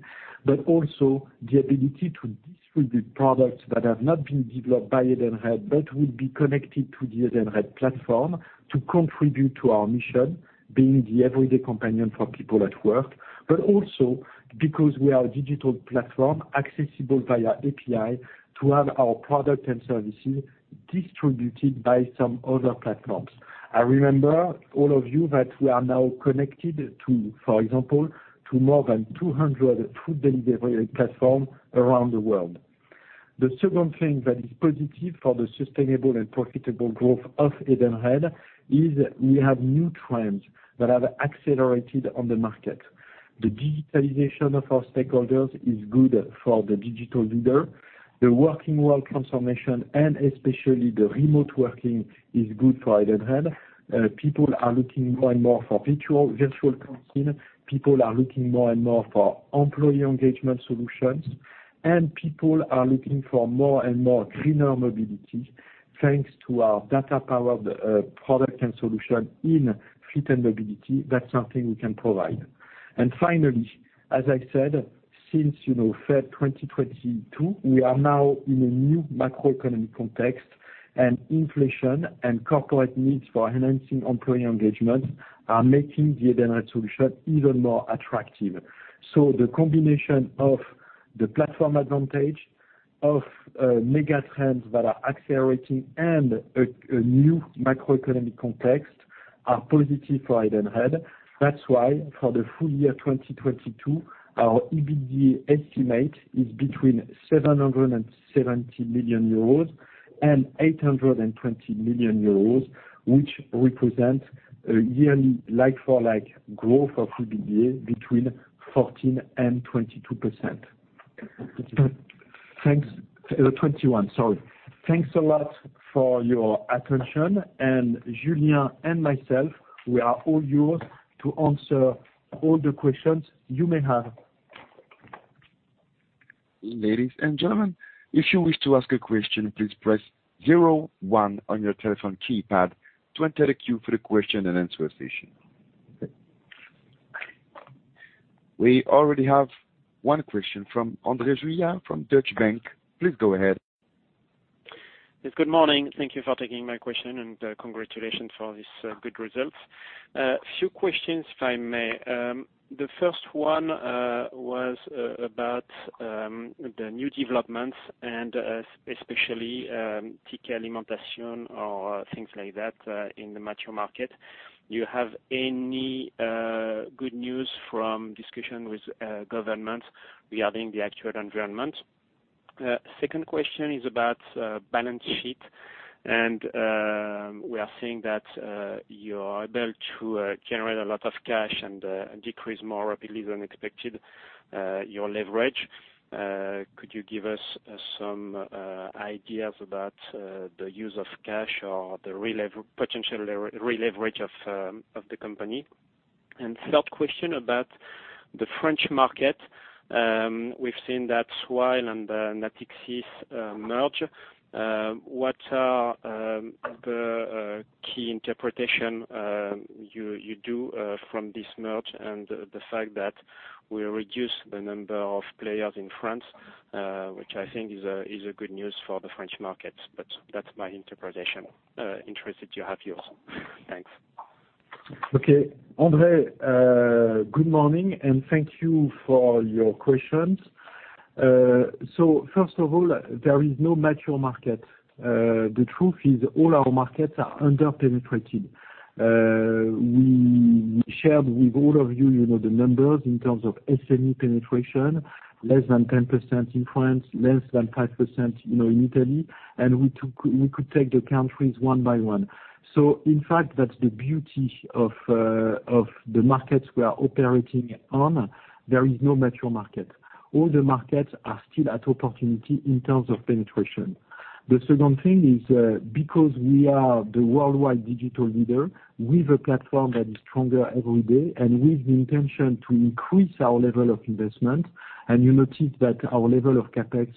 Also the ability to distribute products that have not been developed by Edenred, but will be connected to the Edenred platform to contribute to our mission, being the everyday companion for people at work. Also because we are a digital platform accessible via API to have our product and services distributed by some other platforms. I remember all of you that we are now connected to, for example, to more than 200 food delivery platforms around the world. The second thing that is positive for the sustainable and profitable growth of Edenred is we have new trends that have accelerated on the market. The digitalization of our stakeholders is good for the digital leader. The working world transformation and especially the remote working is good for Edenred. People are looking more and more for Virtual Canteen. People are looking more and more for employee engagement solutions, and people are looking for more and more greener mobility. Thanks to our data-powered product and solution in fleet and mobility, that's something we can provide. Finally, as I said, since you know February 2022, we are now in a new macroeconomic context, and inflation and corporate needs for enhancing employee engagement are making the Edenred solution even more attractive. The combination of the platform advantage of mega trends that are accelerating and a new macroeconomic context are positive for Edenred. That's why for the full year 2022, our EBITDA estimate is between 770 million euros and 820 million euros, which represent a yearly like-for-like growth of EBITDA between 14% and 22%. Thanks. 21%, sorry. Thanks a lot for your attention. Julien and myself, we are all yours to answer all the questions you may have. Ladies and gentlemen, if you wish to ask a question, please press zero one on your telephone keypad to enter the queue for the question and answer session. We already have one question from André Juillard from Deutsche Bank. Please go ahead. Yes, good morning. Thank you for taking my question and congratulations for this good results. A few questions if I may. The first one was about the new developments and especially Ticket Alimentation or things like that in the mature market. Do you have any good news from discussion with government regarding the actual environment? Second question is about balance sheet. We are seeing that you are able to generate a lot of cash and decrease more rapidly than expected your leverage. Could you give us some ideas about the use of cash or the potential re-leverage of the company? Third question about the French market. We've seen that Swile and Natixis merge. What are the key interpretation you do from this merge and the fact that we reduce the number of players in France, which I think is a good news for the French market, but that's my interpretation. Interested to have yours. Thanks. Okay. André, good morning, and thank you for your questions. First of all, there is no mature market. The truth is all our markets are under-penetrated. We shared with all of you know, the numbers in terms of SME penetration, less than 10% in France, less than 5%, you know, in Italy, and we could take the countries one by one. In fact, that's the beauty of the markets we are operating on. There is no mature market. All the markets are still at opportunity in terms of penetration. The second thing is, because we are the worldwide digital leader with a platform that is stronger every day and with the intention to increase our level of investment, and you notice that our level of CapEx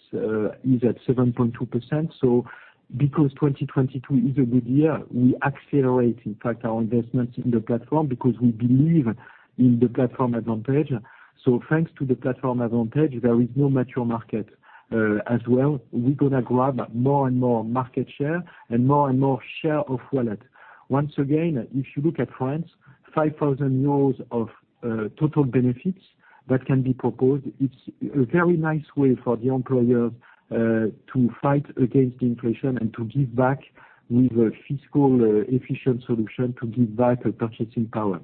is at 7.2%, so because 2022 is a good year, we accelerate, in fact, our investments in the platform because we believe in the platform advantage. Thanks to the platform advantage, there is no mature market. As well, we're gonna grab more and more market share and more and more share of wallet. Once again, if you look at France, 5,000 euros of total benefits that can be proposed, it's a very nice way for the employers to fight against inflation and to give back with a fiscally efficient solution to give back a purchasing power.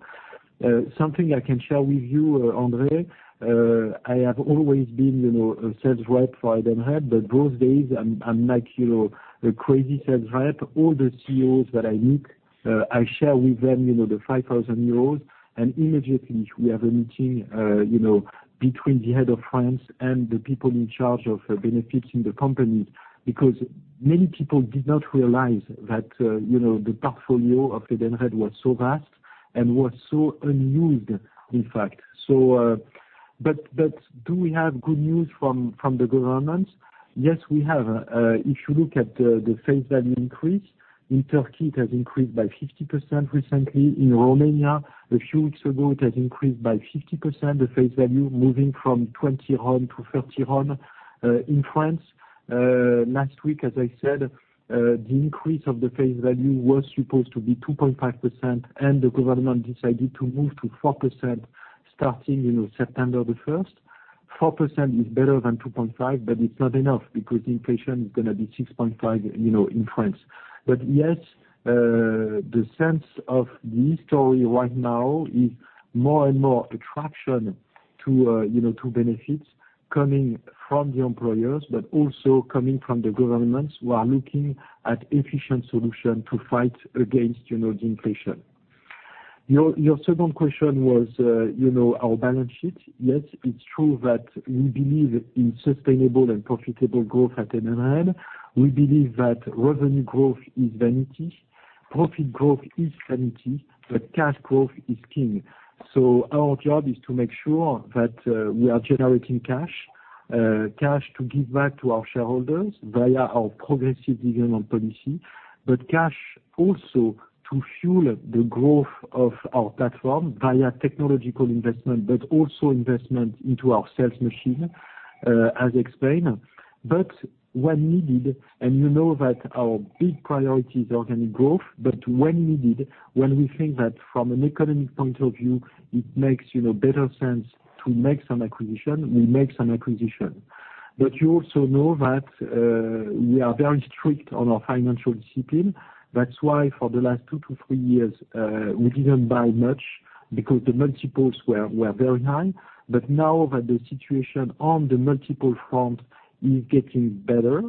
Something I can share with you, André, I have always been, you know, a sales rep for Edenred, but these days I'm like, you know, a crazy sales rep. All the CEOs that I meet, I share with them, you know, the 5,000 euros, and immediately we have a meeting, you know, between the head of France and the people in charge of benefits in the companies because many people did not realize that, you know, the portfolio of Edenred was so vast and was so unused in fact. Do we have good news from the governments? Yes, we have. If you look at the face value increase, in Turkey it has increased by 50% recently. In Romania a few weeks ago, it has increased by 50% the face value, moving from 20 RON to 30 RON. In France, last week, as I said, the increase of the face value was supposed to be 2.5%, and the government decided to move to 4% starting, you know, September the first. 4% is better than 2.5%, but it's not enough because inflation is gonna be 6.5%, you know, in France. Yes, the sense of the story right now is more and more attraction to, you know, to benefits coming from the employers, but also coming from the governments who are looking at efficient solution to fight against, you know, the inflation. Your second question was, you know, our balance sheet. Yes, it's true that we believe in sustainable and profitable growth at Edenred. We believe that revenue growth is vanity, profit growth is sanity, but cash growth is king. Our job is to make sure that we are generating cash to give back to our shareholders via our progressive dividend policy, but cash also to fuel the growth of our platform via technological investment, but also investment into our sales machine, as explained. When needed, and you know that our big priority is organic growth, but when needed, when we think that from an economic point of view, it makes, you know, better sense to make some acquisition, we make some acquisition. You also know that we are very strict on our financial discipline. That's why for the last 2-3 years, we didn't buy much because the multiples were very high. Now that the situation on the multiple front is getting better,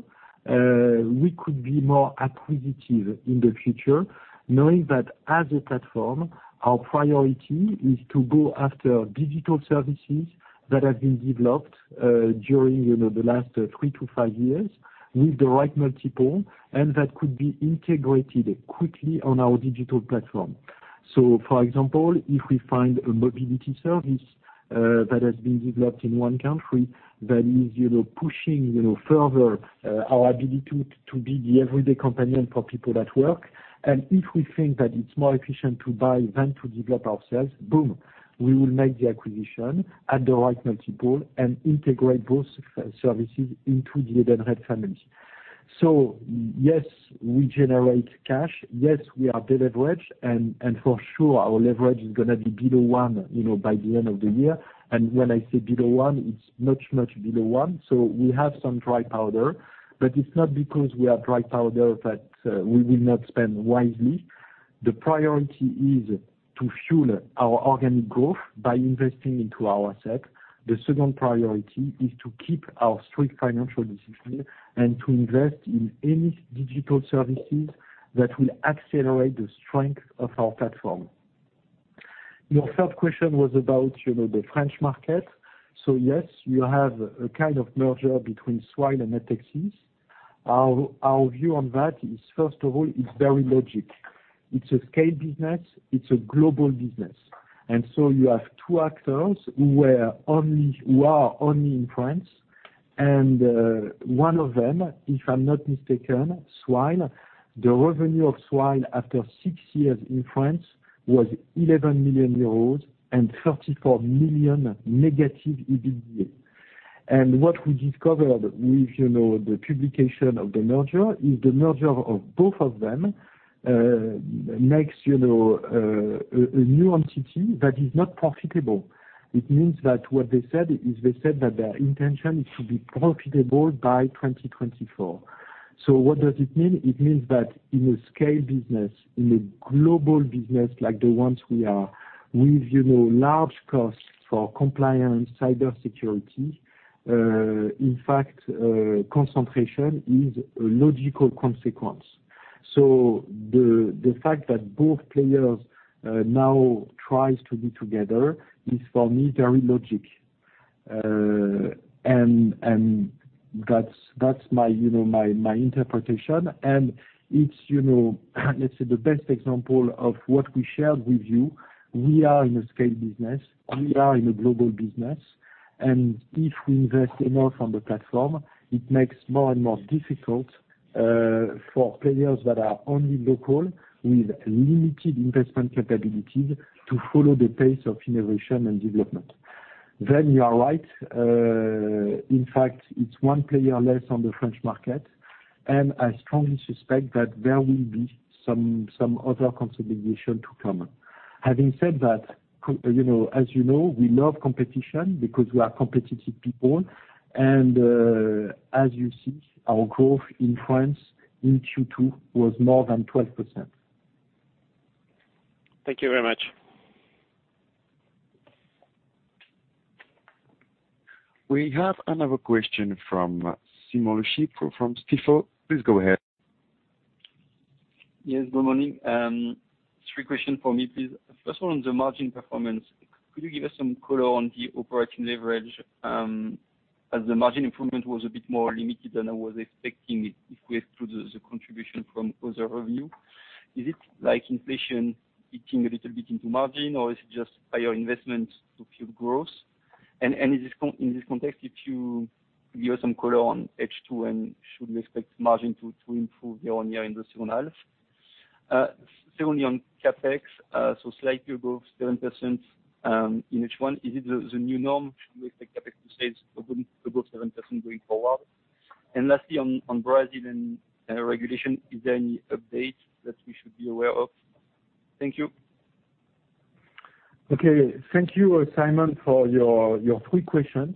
we could be more acquisitive in the future, knowing that as a platform, our priority is to go after digital services that have been developed during, you know, the last 3-5 years with the right multiple and that could be integrated quickly on our digital platform. For example, if we find a mobility service that has been developed in one country that is, you know, pushing, you know, further our ability to be the everyday companion for people at work, and if we think that it's more efficient to buy than to develop ourselves, boom, we will make the acquisition at the right multiple and integrate both services into the Edenred family. Yes, we generate cash. Yes, we are de-leveraged, and for sure our leverage is gonna be below one, you know, by the end of the year. When I say below one, it's much, much below one. We have some dry powder, but it's not because we have dry powder that we will not spend wisely. The priority is to fuel our organic growth by investing into our tech. The second priority is to keep our strict financial discipline and to invest in any digital services that will accelerate the strength of our platform. Your third question was about, you know, the French market. Yes, you have a kind of merger between Swile and Natixis. Our view on that is, first of all, it's very logical. It's a scale business. It's a global business. You have two actors who are only in France. One of them, if I'm not mistaken, Swile, the revenue of Swile after six years in France was 11 million euros and 34 million negative EBITDA. What we discovered with, you know, the publication of the merger is the merger of both of them makes, you know, a new entity that is not profitable. It means that what they said is they said that their intention is to be profitable by 2024. What does it mean? It means that in a scale business, in a global business like the ones we are with, you know, large costs for compliance, cybersecurity, in fact, concentration is a logical consequence. The fact that both players now tries to be together is for me very logic. That's my interpretation. It's, you know, let's say the best example of what we shared with you. We are in a scale business. We are in a global business. If we invest enough on the platform, it makes more and more difficult for players that are only local with limited investment capabilities to follow the pace of innovation and development. You are right. In fact it's one player less on the French market. I strongly suspect that there will be some other consolidation to come. Having said that, you know, as you know, we love competition because we are competitive people. As you see, our growth in France in Q2 was more than 12%. Thank you very much. We have another question from Simon Lechipre from Stifel. Please go ahead. Yes, good morning. Three questions for me, please. First one on the margin performance. Could you give us some color on the operating leverage? As the margin improvement was a bit more limited than I was expecting if we include the contribution from other revenue. Is it like inflation eating a little bit into margin or is it just higher investment to fuel growth? And in this context, if you give some color on H2 and should we expect margin to improve year-on-year in the second half? Second, on CapEx, so slightly above 7%, is it the new norm? Should we expect CapEx to stay above 7% going forward? And lastly on Brazil and regulation, is there any update that we should be aware of? Thank you. Okay. Thank you, Simon, for your three questions.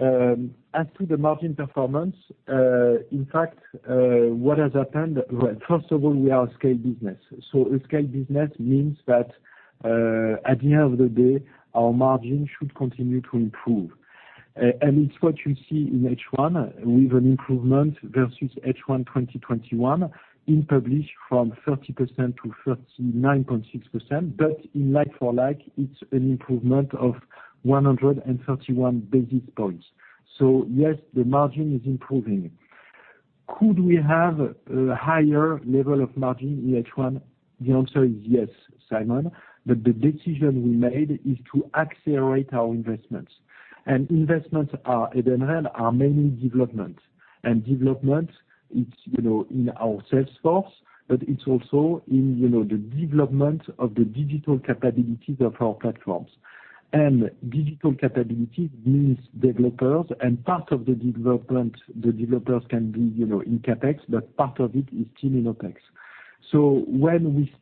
As to the margin performance, in fact, what has happened? Well, first of all, we are a scale business. A scale business means that, at the end of the day our margin should continue to improve. It's what you see in H1 with an improvement versus H1 2021 in published from 30% to 39.6%. In like-for-like it's an improvement of 131 basis points. Yes, the margin is improving. Could we have a higher level of margin in H1? The answer is yes, Simon, but the decision we made is to accelerate our investments and investments at Edenred are mainly development, it's, you know, in our sales force, but it's also in, you know, the development of the digital capabilities of our platforms. Digital capabilities means developers and part of the development, the developers can be, you know, in CapEx, but part of it is still in OpEx. When we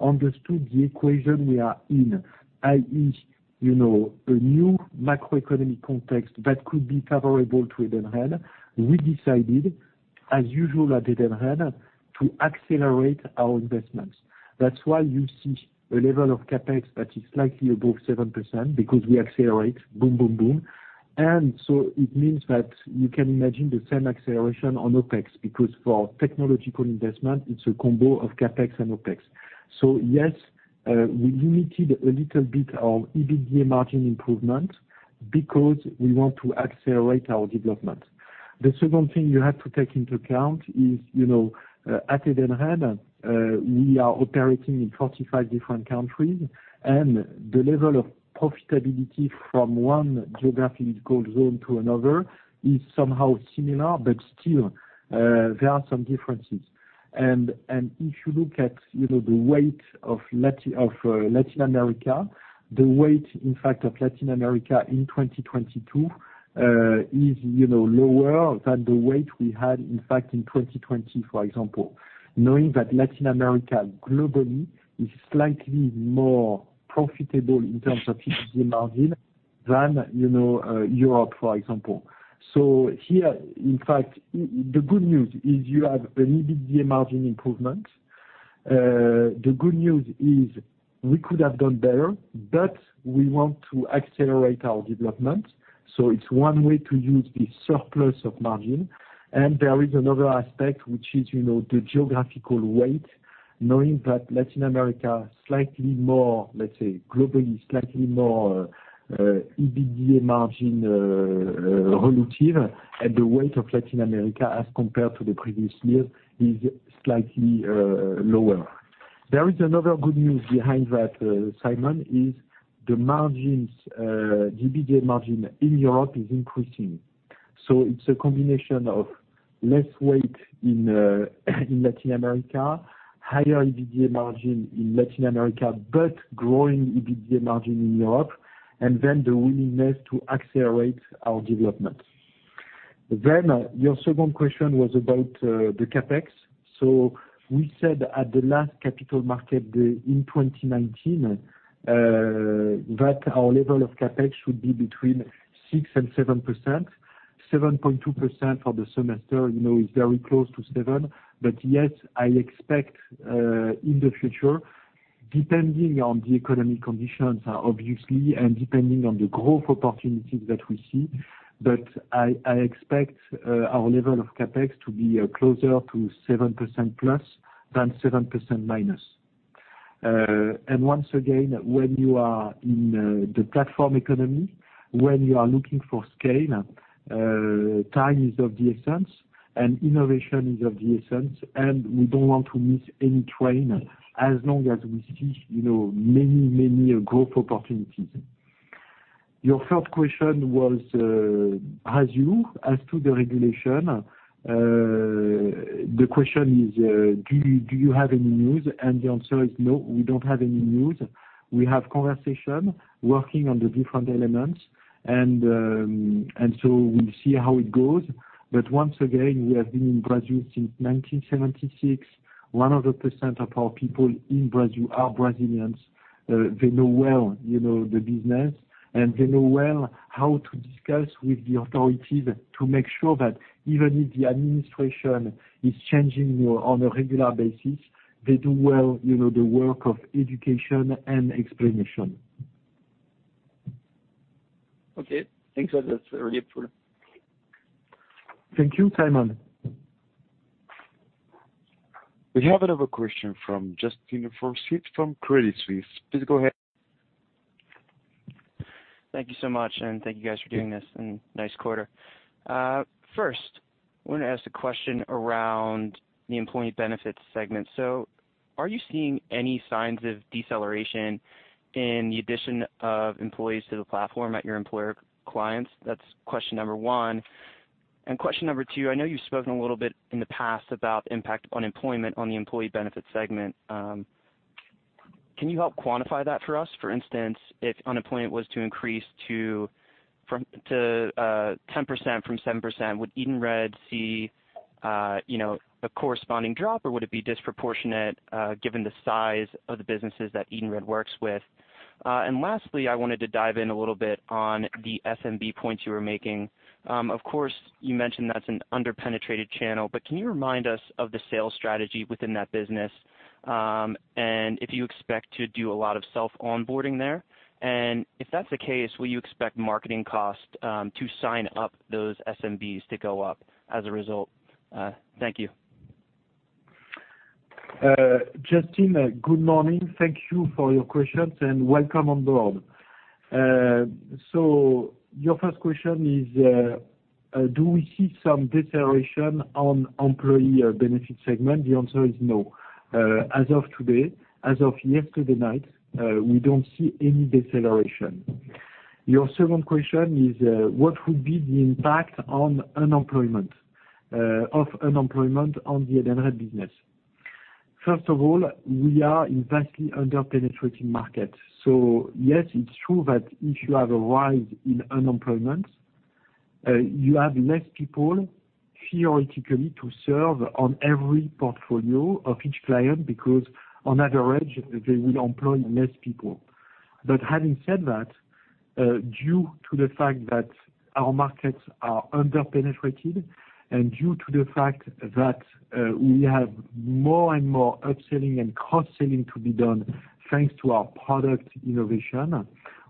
understood the equation we are in, i.e., you know, a new macroeconomic context that could be favorable to Edenred, we decided as usual at Edenred to accelerate our investments. That's why you see a level of CapEx that is slightly above 7% because we accelerate boom, boom. It means that you can imagine the same acceleration on OpEx because for technological investment it's a combo of CapEx and OpEx. Yes, we limited a little bit our EBITDA margin improvement because we want to accelerate our development. The second thing you have to take into account is, you know, at Edenred, we are operating in 45 different countries and the level of profitability from one geographical zone to another is somehow similar but still, there are some differences. If you look at, you know, the weight of Latin America, the weight in fact of Latin America in 2022, you know, is lower than the weight we had in fact in 2020 for example. Knowing that Latin America globally is slightly more profitable in terms of EBITDA margin than, you know, Europe, for example. Here, in fact, the good news is you have an EBITDA margin improvement. The good news is we could have done better, but we want to accelerate our development, so it's one way to use the surplus of margin. There is another aspect which is, you know, the geographical weight, knowing that Latin America slightly more, let's say, globally slightly more EBITDA margin relative and the weight of Latin America as compared to the previous year is slightly lower. There is another good news behind that, Simon. The EBITDA margin in Europe is increasing. It's a combination of less weight in Latin America, higher EBITDA margin in Latin America, but growing EBITDA margin in Europe, and then the willingness to accelerate our development. Your second question was about the CapEx. We said at the last Capital Markets Day in 2019 that our level of CapEx should be between 6%-7%. 7.2% for the semester, you know, is very close to 7%. Yes, I expect in the future, depending on the economic conditions, obviously, and depending on the growth opportunities that we see. I expect our level of CapEx to be closer to 7%+ than 7%-. Once again, when you are in the platform economy, when you are looking for scale, time is of the essence and innovation is of the essence, and we don't want to miss any train as long as we see, you know, many, many growth opportunities. Your third question was as to the regulation. The question is, do you have any news? The answer is no, we don't have any news. We have conversations working on the different elements, and so we'll see how it goes. But once again, we have been in Brazil since 1976. 100% of our people in Brazil are Brazilians. They know the business well, you know, and they know well how to discuss with the authorities to make sure that even if the administration is changing on a regular basis, they do the work of education and explanation well, you know. Okay. Thanks for that. That's really helpful. Thank you, Simon. We have another question from Justin Forsythe from Credit Suisse. Please go ahead. Thank you so much, and thank you guys for doing this, and nice quarter. First I wanna ask a question around the employee benefits segment. Are you seeing any signs of deceleration in the addition of employees to the platform at your employer clients? That's question number one. Question number two, I know you've spoken a little bit in the past about the impact of unemployment on the employee benefit segment. Can you help quantify that for us? For instance, if unemployment was to increase from 7% to 10%, would Edenred see, you know, a corresponding drop, or would it be disproportionate, given the size of the businesses that Edenred works with? Lastly, I wanted to dive in a little bit on the SMB points you were making. Of course, you mentioned that's an under-penetrated channel, but can you remind us of the sales strategy within that business, and if you expect to do a lot of self onboarding there? If that's the case, will you expect marketing costs to sign up those SMBs to go up as a result? Thank you. Justin, good morning. Thank you for your questions, and welcome on board. Your first question is, do we see some deceleration on employee benefit segment? The answer is no. As of today, as of yesterday night, we don't see any deceleration. Your second question is, what would be the impact of unemployment on the Edenred business? First of all, we are in vastly under-penetrating market. Yes, it's true that if you have a rise in unemployment, you have less people theoretically to serve on every portfolio of each client because on average they will employ less people. Having said that, due to the fact that our markets are under-penetrated and due to the fact that we have more and more upselling and cross-selling to be done, thanks to our product innovation,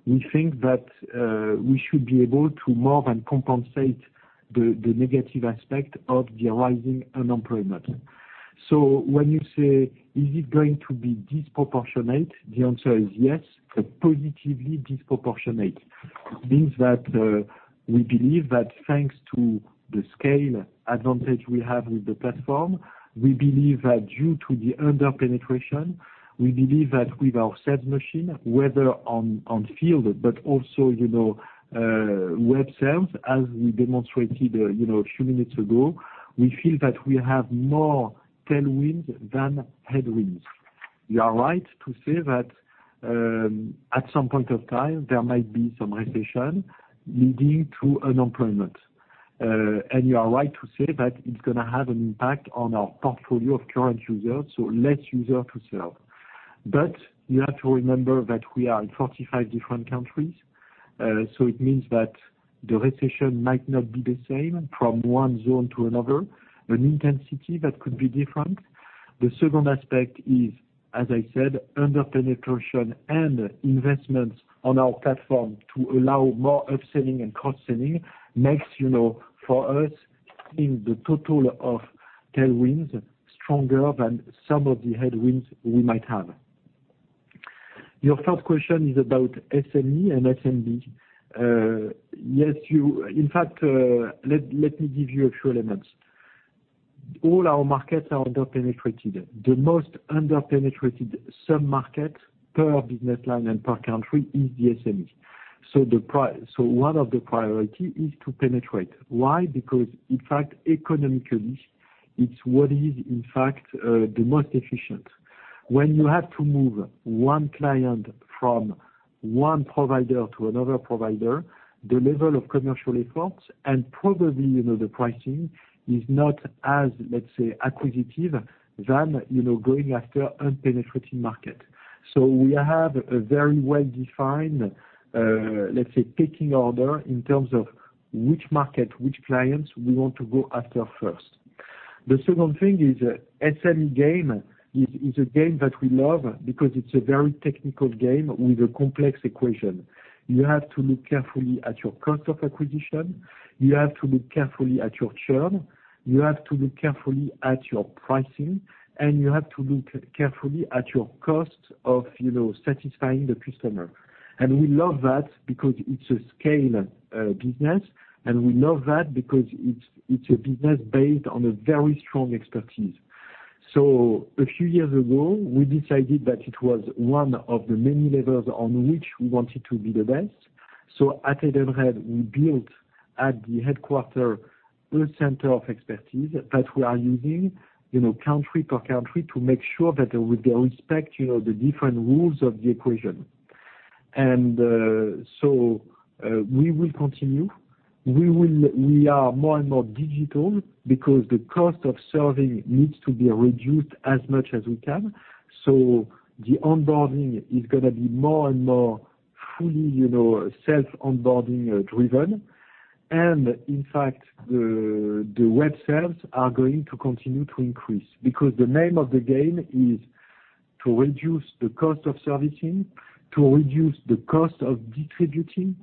we think that we should be able to more than compensate the negative aspect of the rising unemployment. When you say, "Is it going to be disproportionate?" The answer is yes. Positively disproportionate. Means that we believe that thanks to the scale advantage we have with the platform, we believe that due to the under-penetration, we believe that with our sales machine, whether on field, but also, you know, web sales, as we demonstrated, you know, a few minutes ago, we feel that we have more tailwinds than headwinds. You are right to say that at some point of time there might be some recession leading to unemployment. You are right to say that it's gonna have an impact on our portfolio of current users, so less user to serve. You have to remember that we are in 45 different countries, so it means that the recession might not be the same from one zone to another, an intensity that could be different. The second aspect is, as I said, under-penetration and investments on our platform to allow more upselling and cross-selling makes, you know, for us, in the total of tailwinds, stronger than some of the headwinds we might have. Your third question is about SME and SMB. Yes, in fact, let me give you a few elements. All our markets are under-penetrated. The most under-penetrated sub-market per business line and per country is the SME. One of the priority is to penetrate. Why? Because, in fact, economically, it's what is, in fact, the most efficient. When you have to move one client from one provider to another provider, the level of commercial efforts and probably, you know, the pricing is not as, let's say, attractive than, you know, going after unpenetrated market. We have a very well-defined, let's say, picking order in terms of which market, which clients we want to go after first. The second thing is SME game is a game that we love because it's a very technical game with a complex equation. You have to look carefully at your cost of acquisition, you have to look carefully at your churn, you have to look carefully at your pricing, and you have to look carefully at your cost of, you know, satisfying the customer. We love that because it's a scale business, and we love that because it's a business based on a very strong expertise. A few years ago, we decided that it was one of the many levels on which we wanted to be the best. At Edenred, we built at the headquarters a center of expertise that we are using, you know, country per country to make sure that they respect, you know, the different rules of the equation. We will continue. We are more and more digital because the cost of serving needs to be reduced as much as we can. The onboarding is gonna be more and more fully, you know, self-onboarding driven. In fact, the web sales are going to continue to increase because the name of the game is to reduce the cost of servicing, to reduce the cost of distributing,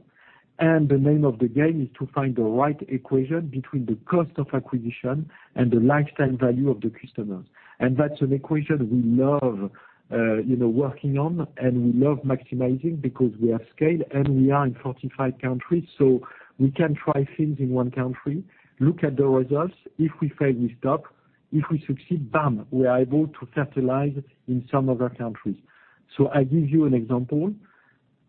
and the name of the game is to find the right equation between the cost of acquisition and the lifetime value of the customers. That's an equation we love, you know, working on, and we love maximizing because we are scaled, and we are in 45 countries, so we can try things in one country, look at the results. If we fail, we stop. If we succeed, bam, we are able to fertilize in some other countries. I give you an example.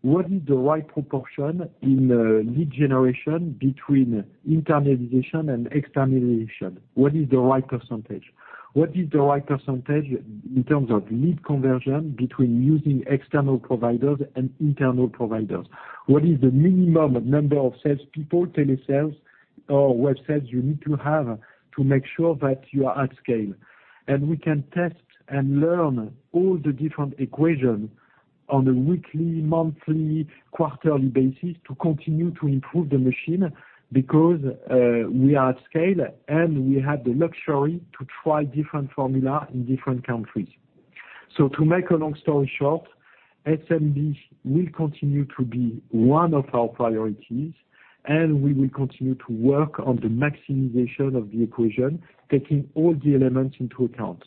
What is the right proportion in lead generation between internalization and externalization? What is the right percentage? What is the right percentage in terms of lead conversion between using external providers and internal providers? What is the minimum number of salespeople, telesales or web sales you need to have to make sure that you are at scale? We can test and learn all the different equation on a weekly, monthly, quarterly basis to continue to improve the machine because we are at scale, and we have the luxury to try different formula in different countries. To make a long story short, SMB will continue to be one of our priorities, and we will continue to work on the maximization of the equation, taking all the elements into account.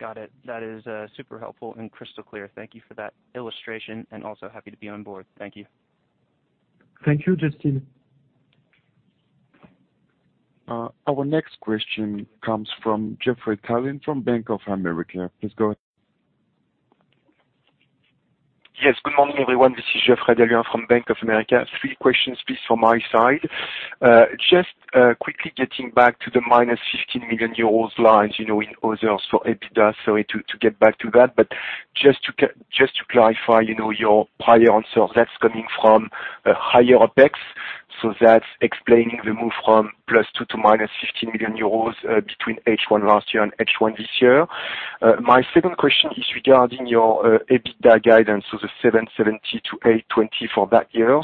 Got it. That is super helpful and crystal clear. Thank you for that illustration, and also happy to be on board. Thank you. Thank you, Justin. Our next question comes from Geoffroy Houlot from Bank of America. Please go ahead. Yes, good morning, everyone. This is Geoffroy Houlot from Bank of America. Three questions, please, from my side. Just quickly getting back to the -50 million euros line, you know, in other, so EBITDA, so to get back to that, but just to clarify, you know, your prior answer, that's coming from a higher OpEx. That's explaining the move from +2 million euros to -EUR 50 million, between H1 last year and H1 this year. My second question is regarding your EBITDA guidance, so the 770 million to 820 million for that year.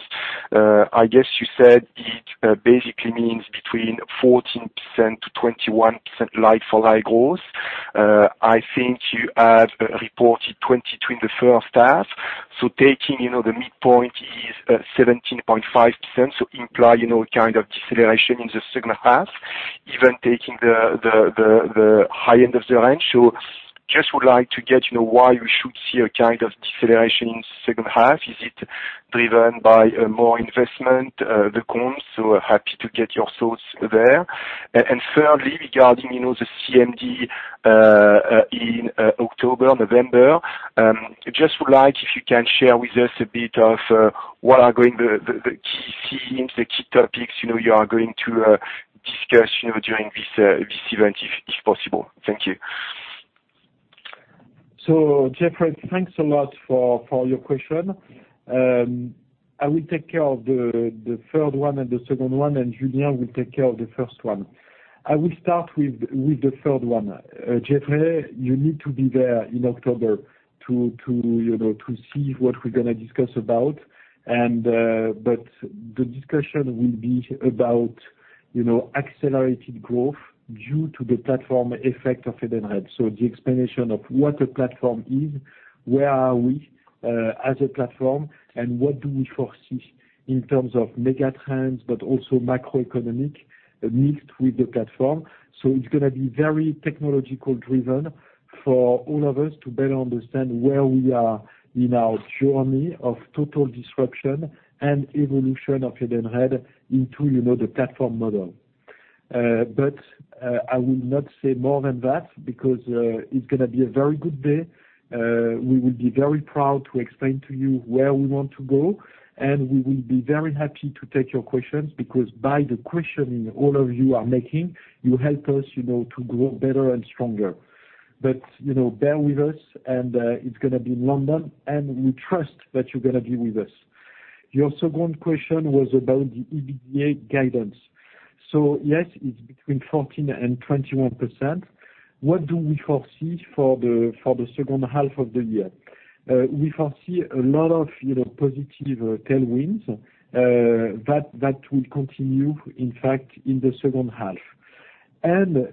I guess you said it basically means between 14% to 21% like-for-like growth. I think you have reported 20% between the first half. Taking, you know, the midpoint is 17.5%, so imply, you know, a kind of deceleration in the second half, even taking the high end of the range. Just would like to get, you know, why we should see a kind of deceleration in second half. Is it driven by more investment, the comms? Happy to get your thoughts there. And thirdly, regarding, you know, the CMD in October, November, just would like if you can share with us a bit of what are going the key themes, the key topics, you know, you are going to discuss, you know, during this event if possible. Thank you. Geoffrey, thanks a lot for your question. I will take care of the third one and the second one, and Julien will take care of the first one. I will start with the third one. Geoffrey, you need to be there in October to, you know, to see what we're gonna discuss about. The discussion will be about, you know, accelerated growth due to the platform effect of Edenred. The explanation of what a platform is, where are we as a platform, and what do we foresee in terms of mega trends, but also macroeconomic mix with the platform. It's gonna be very technological driven for all of us to better understand where we are in our journey of total disruption and evolution of Edenred into, you know, the platform model. I will not say more than that because it's gonna be a very good day. We will be very proud to explain to you where we want to go, and we will be very happy to take your questions because by the questioning all of you are making, you help us, you know, to grow better and stronger. You know, bear with us and it's gonna be in London, and we trust that you're gonna be with us. Your second question was about the EBITDA guidance. Yes, it's between 14% and 21%. What do we foresee for the second half of the year? We foresee a lot of, you know, positive tailwinds that will continue, in fact, in the second half.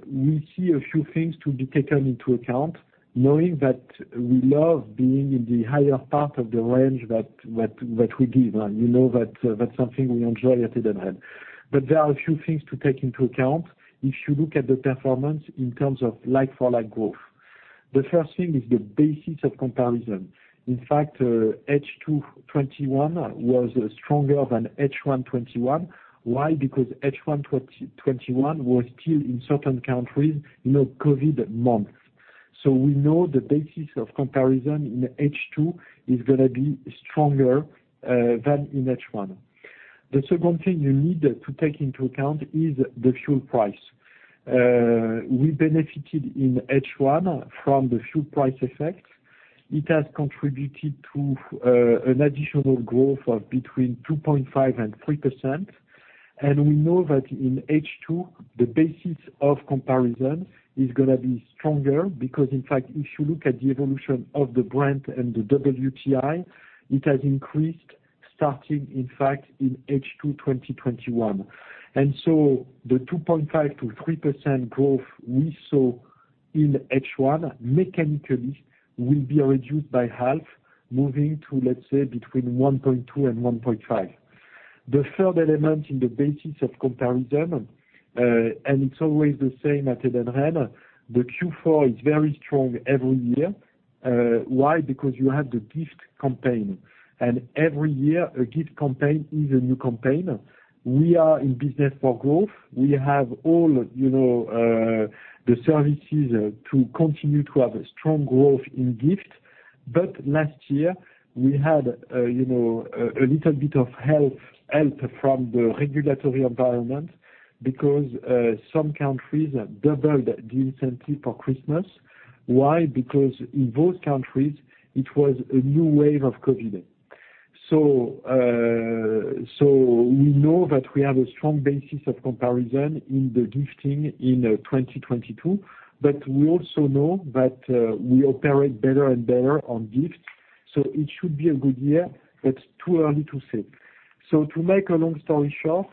We see a few things to be taken into account, knowing that we love being in the higher part of the range that we give. You know that that's something we enjoy at Edenred. There are a few things to take into account if you look at the performance in terms of like-for-like growth. The first thing is the basis of comparison. In fact, H2 2021 was stronger than H1 2021. Why? Because H1 2021 was still in certain countries, you know, COVID months. We know the basis of comparison in H2 is gonna be stronger than in H1. The second thing you need to take into account is the fuel price. We benefited in H1 from the fuel price effect. It has contributed to an additional growth of between 2.5% and 3%. We know that in H2, the basis of comparison is gonna be stronger because, in fact, if you look at the evolution of the Brent and the WTI, it has increased starting in fact, in H2 2021. The 2.5%-3% growth we saw in H1 mechanically will be reduced by half, moving to, let's say, between 1.2% and 1.5%. The third element in the basis of comparison, and it's always the same at Edenred, the Q4 is very strong every year. Why? Because you have the gift campaign. Every year a gift campaign is a new campaign. We are in business for growth. We have all, you know, the services to continue to have a strong growth in gift. Last year we had, you know, a little bit of help from the regulatory environment because some countries doubled the incentive for Christmas. Why? Because in both countries it was a new wave of COVID. We know that we have a strong basis of comparison in the gifting in 2022, but we also know that we operate better and better on gifts, so it should be a good year, but too early to say. To make a long story short,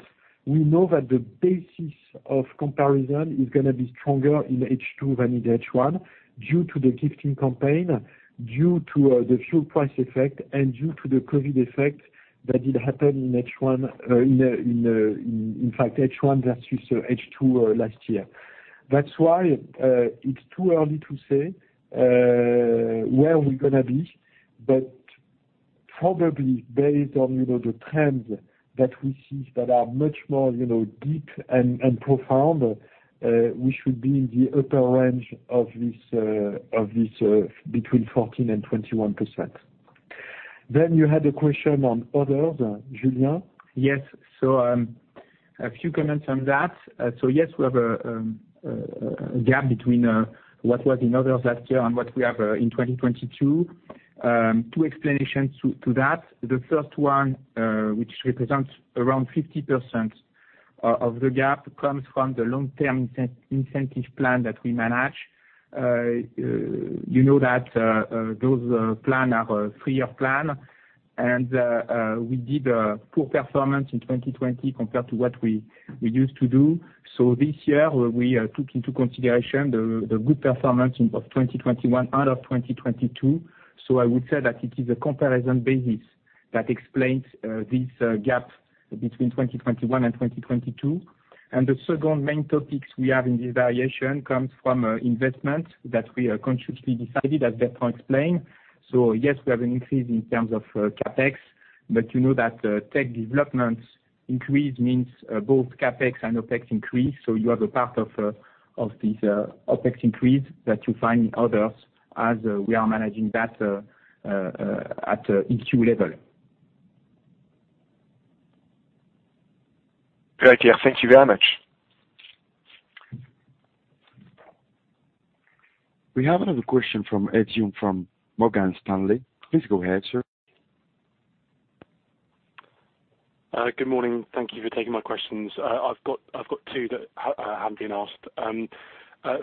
we know that the basis of comparison is gonna be stronger in H2 than in H1 due to the gifting campaign, due to the fuel price effect, and due to the COVID effect that did happen in H1, in fact, H1 versus H2 last year. That's why, it's too early to say, where we're gonna be, but probably based on, you know, the trends that we see that are much more, you know, deep and profound, we should be in the upper range of this, between 14% and 21%. You had a question on others, Julien. Yes. A few comments on that. Yes, we have a gap between what was in others last year and what we have in 2022. Two explanations to that. The first one, which represents around 50% of the gap, comes from the long-term incentive plan that we manage. You know that those plans are three-year plans. We did a poor performance in 2020 compared to what we used to do. This year we took into consideration the good performance in 2021 and 2022. I would say that it is a comparison basis that explains this gap between 2021 and 2022. The second main topics we have in this variation comes from investment that we consciously decided as Bertrand explained. Yes, we have an increase in terms of CapEx, but you know that tech developments increase means both CapEx and OpEx increase. You have a part of this OpEx increase that you find in others as we are managing that at EQ level. Great, Julien, thank you very much. We have another question from Ed Young from Morgan Stanley. Please go ahead, sir. Good morning. Thank you for taking my questions. I've got two that have been asked.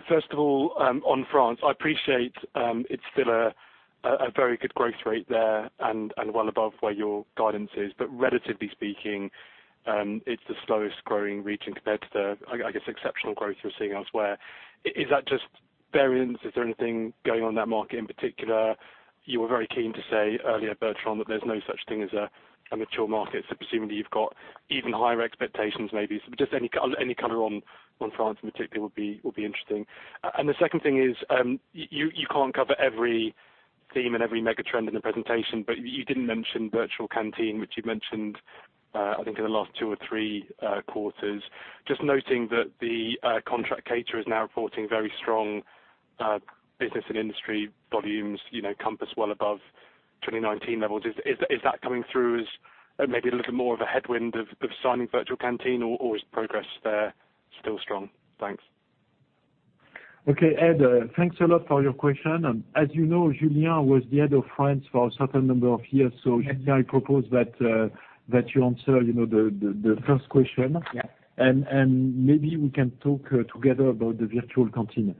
First of all, on France, I appreciate it's still a very good growth rate there and well above where your guidance is. Relatively speaking, it's the slowest growing region compared to the I guess exceptional growth you're seeing elsewhere. Is that just variance? Is there anything going on in that market in particular? You were very keen to say earlier, Bertrand, that there's no such thing as a mature market, so presumably you've got even higher expectations maybe. Just any color on France in particular would be interesting. The second thing is, you can't cover every theme and every mega trend in the presentation, but you didn't mention Virtual Canteen, which you've mentioned, I think in the last two or three quarters. Just noting that the contract caterer is now reporting very strong business and industry volumes, you know, Compass well above 2019 levels. Is that coming through as maybe a little more of a headwind of signing Virtual Canteen or is progress there still strong? Thanks. Okay, Ed, thanks a lot for your question. As you know, Julien was the head of France for a certain number of years. Maybe I propose that you answer, you know, the first question. Yeah. Maybe we can talk together about the Virtual Canteen.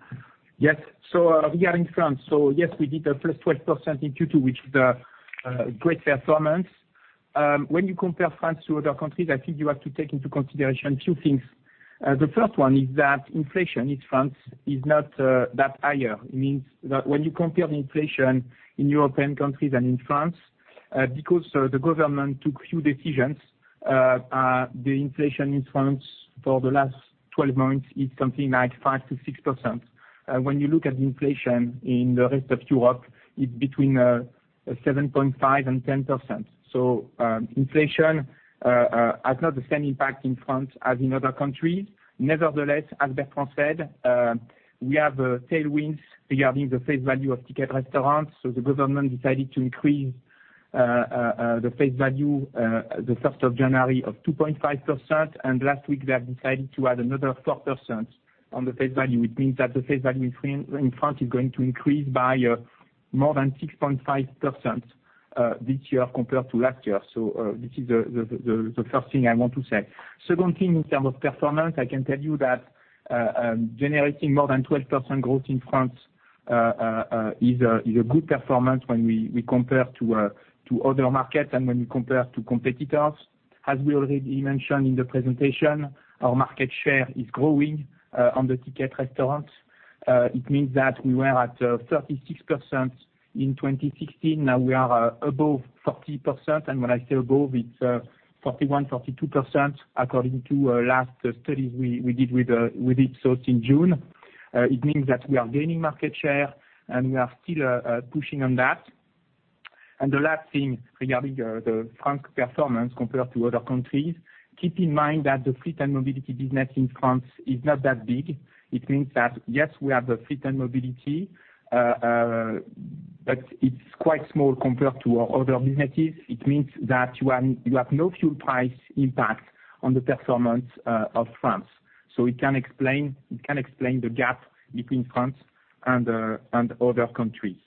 Yes. Regarding France, yes, we did +12% in Q2, which is a great performance. When you compare France to other countries, I think you have to take into consideration two things. The first one is that inflation in France is not that high. It means that when you compare the inflation in European countries and in France, because the government took few decisions, the inflation in France for the last 12 months is something like 5%-6%. When you look at inflation in the rest of Europe, it's between 7.5% and 10%. Inflation has not the same impact in France as in other countries. Nevertheless, as Bertrand said, we have tailwinds regarding the face value of Ticket Restaurant, so the government decided to increase the face value, the first of January, of 2.5%, and last week they have decided to add another 4% on the face value. It means that the face value in France is going to increase by more than 6.5% this year compared to last year. This is the first thing I want to say. Second thing, in terms of performance, I can tell you that generating more than 12% growth in France is a good performance when we compare to other markets and when we compare to competitors. As we already mentioned in the presentation, our market share is growing on the Ticket Restaurant. It means that we were at 36% in 2016, now we are above 40%, and when I say above, it's 41%, 42%, according to last studies we did with Ipsos in June. It means that we are gaining market share and we are still pushing on that. The last thing regarding the France performance compared to other countries, keep in mind that the fleet and mobility business in France is not that big. It means that, yes, we have the fleet and mobility, but it's quite small compared to our other businesses. It means that you have no fuel price impact on the performance of France. It can explain the gap between France and other countries.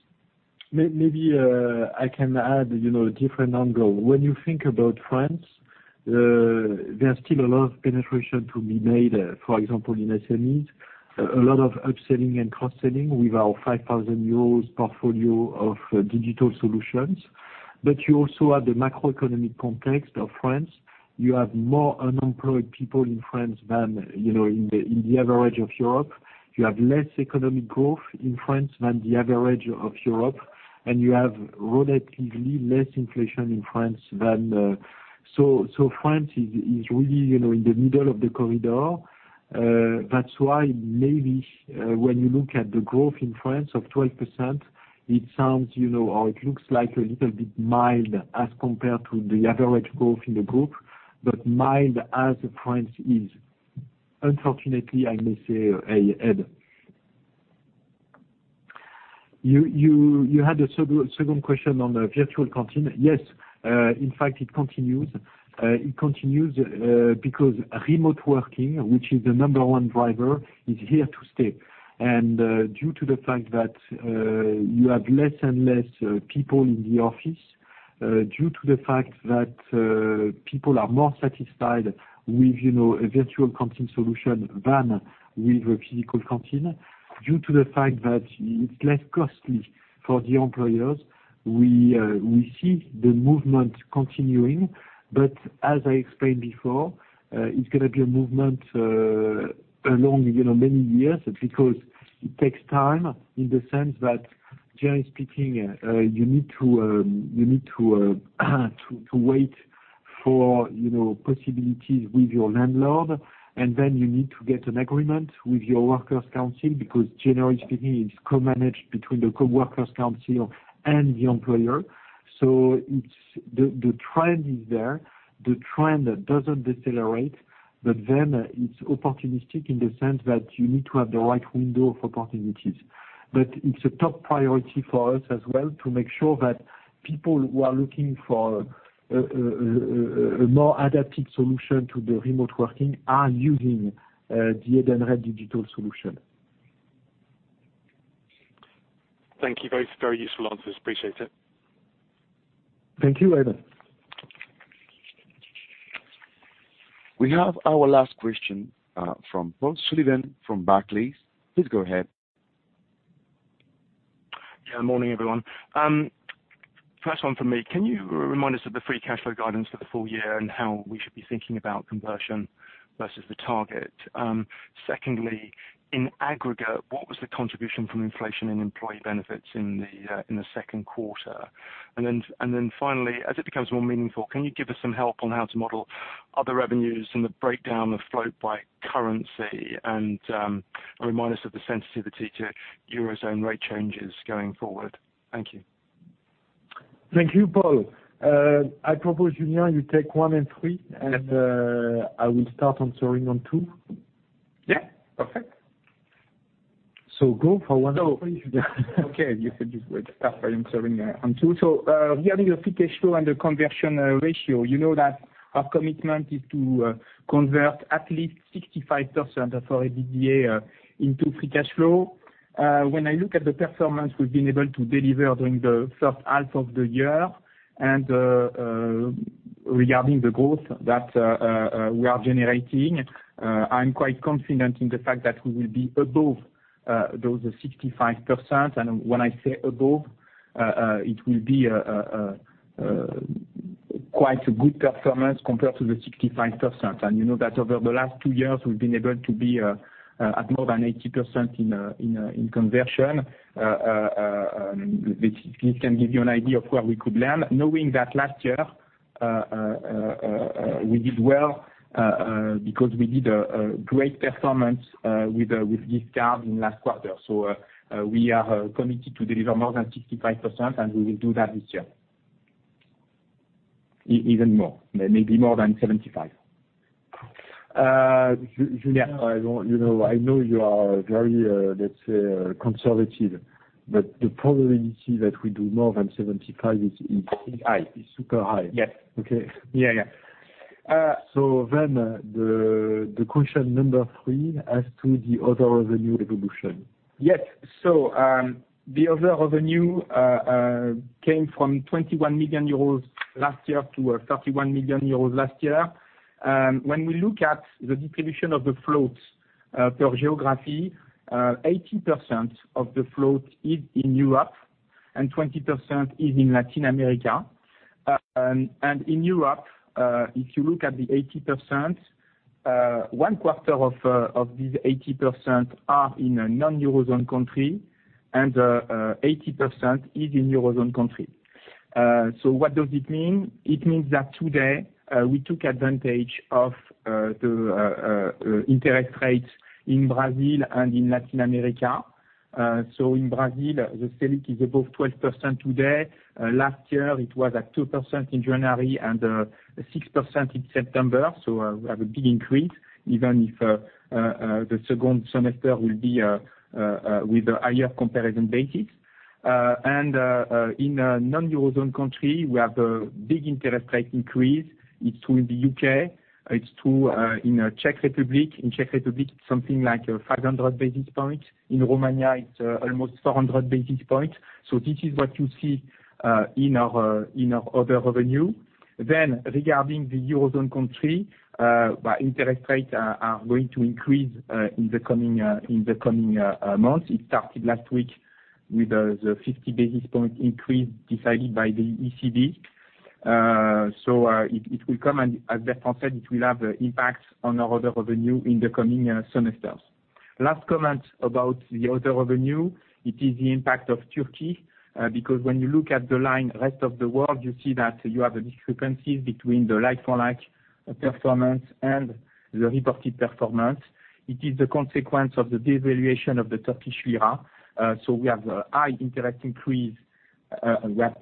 Maybe I can add, you know, a different angle. When you think about France, there's still a lot of penetration to be made, for example, in SMEs, a lot of upselling and cross-selling with our 5,000 euros portfolio of digital solutions. You also have the macroeconomic context of France. You have more unemployed people in France than, you know, in the average of Europe. You have less economic growth in France than the average of Europe, and you have relatively less inflation in France than the average of Europe. France is really, you know, in the middle of the corridor. That's why maybe when you look at the growth in France of 12%, it sounds, you know, or it looks like a little bit mild as compared to the average growth in the group, but mild as France is. Unfortunately, I may say, Ed. You had a second question on the Virtual Canteen. Yes. In fact, it continues because remote working, which is the number one driver, is here to stay. Due to the fact that you have less and less people in the office, due to the fact that people are more satisfied with, you know, a Virtual Canteen solution than with a physical canteen, due to the fact that it's less costly for the employers, we see the movement continuing. As I explained before, it's gonna be a movement along, you know, many years because it takes time in the sense that generally speaking, you need to wait for, you know, possibilities with your landlord, and then you need to get an agreement with your workers' council because generally speaking, it's co-managed between the works council and the employer. The trend is there, the trend doesn't decelerate, but then it's opportunistic in the sense that you need to have the right window of opportunities. It's a top priority for us as well to make sure that people who are looking for a more adapted solution to the remote working are using the Edenred digital solution. Thank you both. Very useful answers. Appreciate it. Thank you, Ed Young. We have our last question from Paul Sullivan from Barclays. Please go ahead. Yeah. Morning, everyone. First one for me. Can you remind us of the free cash flow guidance for the full year and how we should be thinking about conversion versus the target? Secondly, in aggregate, what was the contribution from inflation in employee benefits in the second quarter? Then finally, as it becomes more meaningful, can you give us some help on how to model other revenues and the breakdown of float by currency and remind us of the sensitivity to Eurozone rate changes going forward? Thank you. Thank you, Paul. I propose, Julien, you take one and three, and I will start answering on two. Yeah. Perfect. Go for one and three. No. Okay, you said you would start by answering on two. Regarding the free cash flow and the conversion ratio, you know that our commitment is to convert at least 65% of our EBITDA into free cash flow. When I look at the performance we've been able to deliver during the first half of the year and regarding the growth that we are generating, I'm quite confident in the fact that we will be above those 65%. When I say above, it will be quite a good performance compared to the 65%. You know that over the last two years we've been able to be at more than 80% in conversion. This can give you an idea of where we could land, knowing that last year we did well because we did a great performance with discount in last quarter. We are committed to deliver more than 65%, and we will do that this year. Even more, maybe more than 75%. Julien, I don't, you know, I know you are very, let's say, conservative, but the probability that we do more than 75% is. Is high. is super high. Yes. Okay. Yeah, yeah. The question number three as to the other revenue evolution. Yes. The other revenue came from 21 million euros last year to 31 million euros last year. When we look at the distribution of the floats per geography, 80% of the float is in Europe and 20% is in Latin America. In Europe, if you look at the 80%, 1/4 of this 80% are in a non-Eurozone country and 80% is in Eurozone country. What does it mean? It means that today we took advantage of the interest rates in Brazil and in Latin America. In Brazil, the Selic is above 12% today. Last year it was at 2% in January and 6% in September. We have a big increase even if the second semester will be with a higher comparison basis. In a non-Eurozone country, we have a big interest rate increase. It's true in the U.K., it's true in Czech Republic. In Czech Republic, it's something like 500 basis points. In Romania it's almost 400 basis points. This is what you see in our other revenue. Regarding the Eurozone country where interest rates are going to increase in the coming months. It started last week with the 50 basis point increase decided by the ECB. It will come and as Bertrand said, it will have impact on our other revenue in the coming semesters. Last comment about the other revenue, it is the impact of Turkey, because when you look at the line, rest of the world, you see that you have discrepancies between the like-for-like performance and the reported performance. It is the consequence of the devaluation of the Turkish lira. We have a high interest increase, we have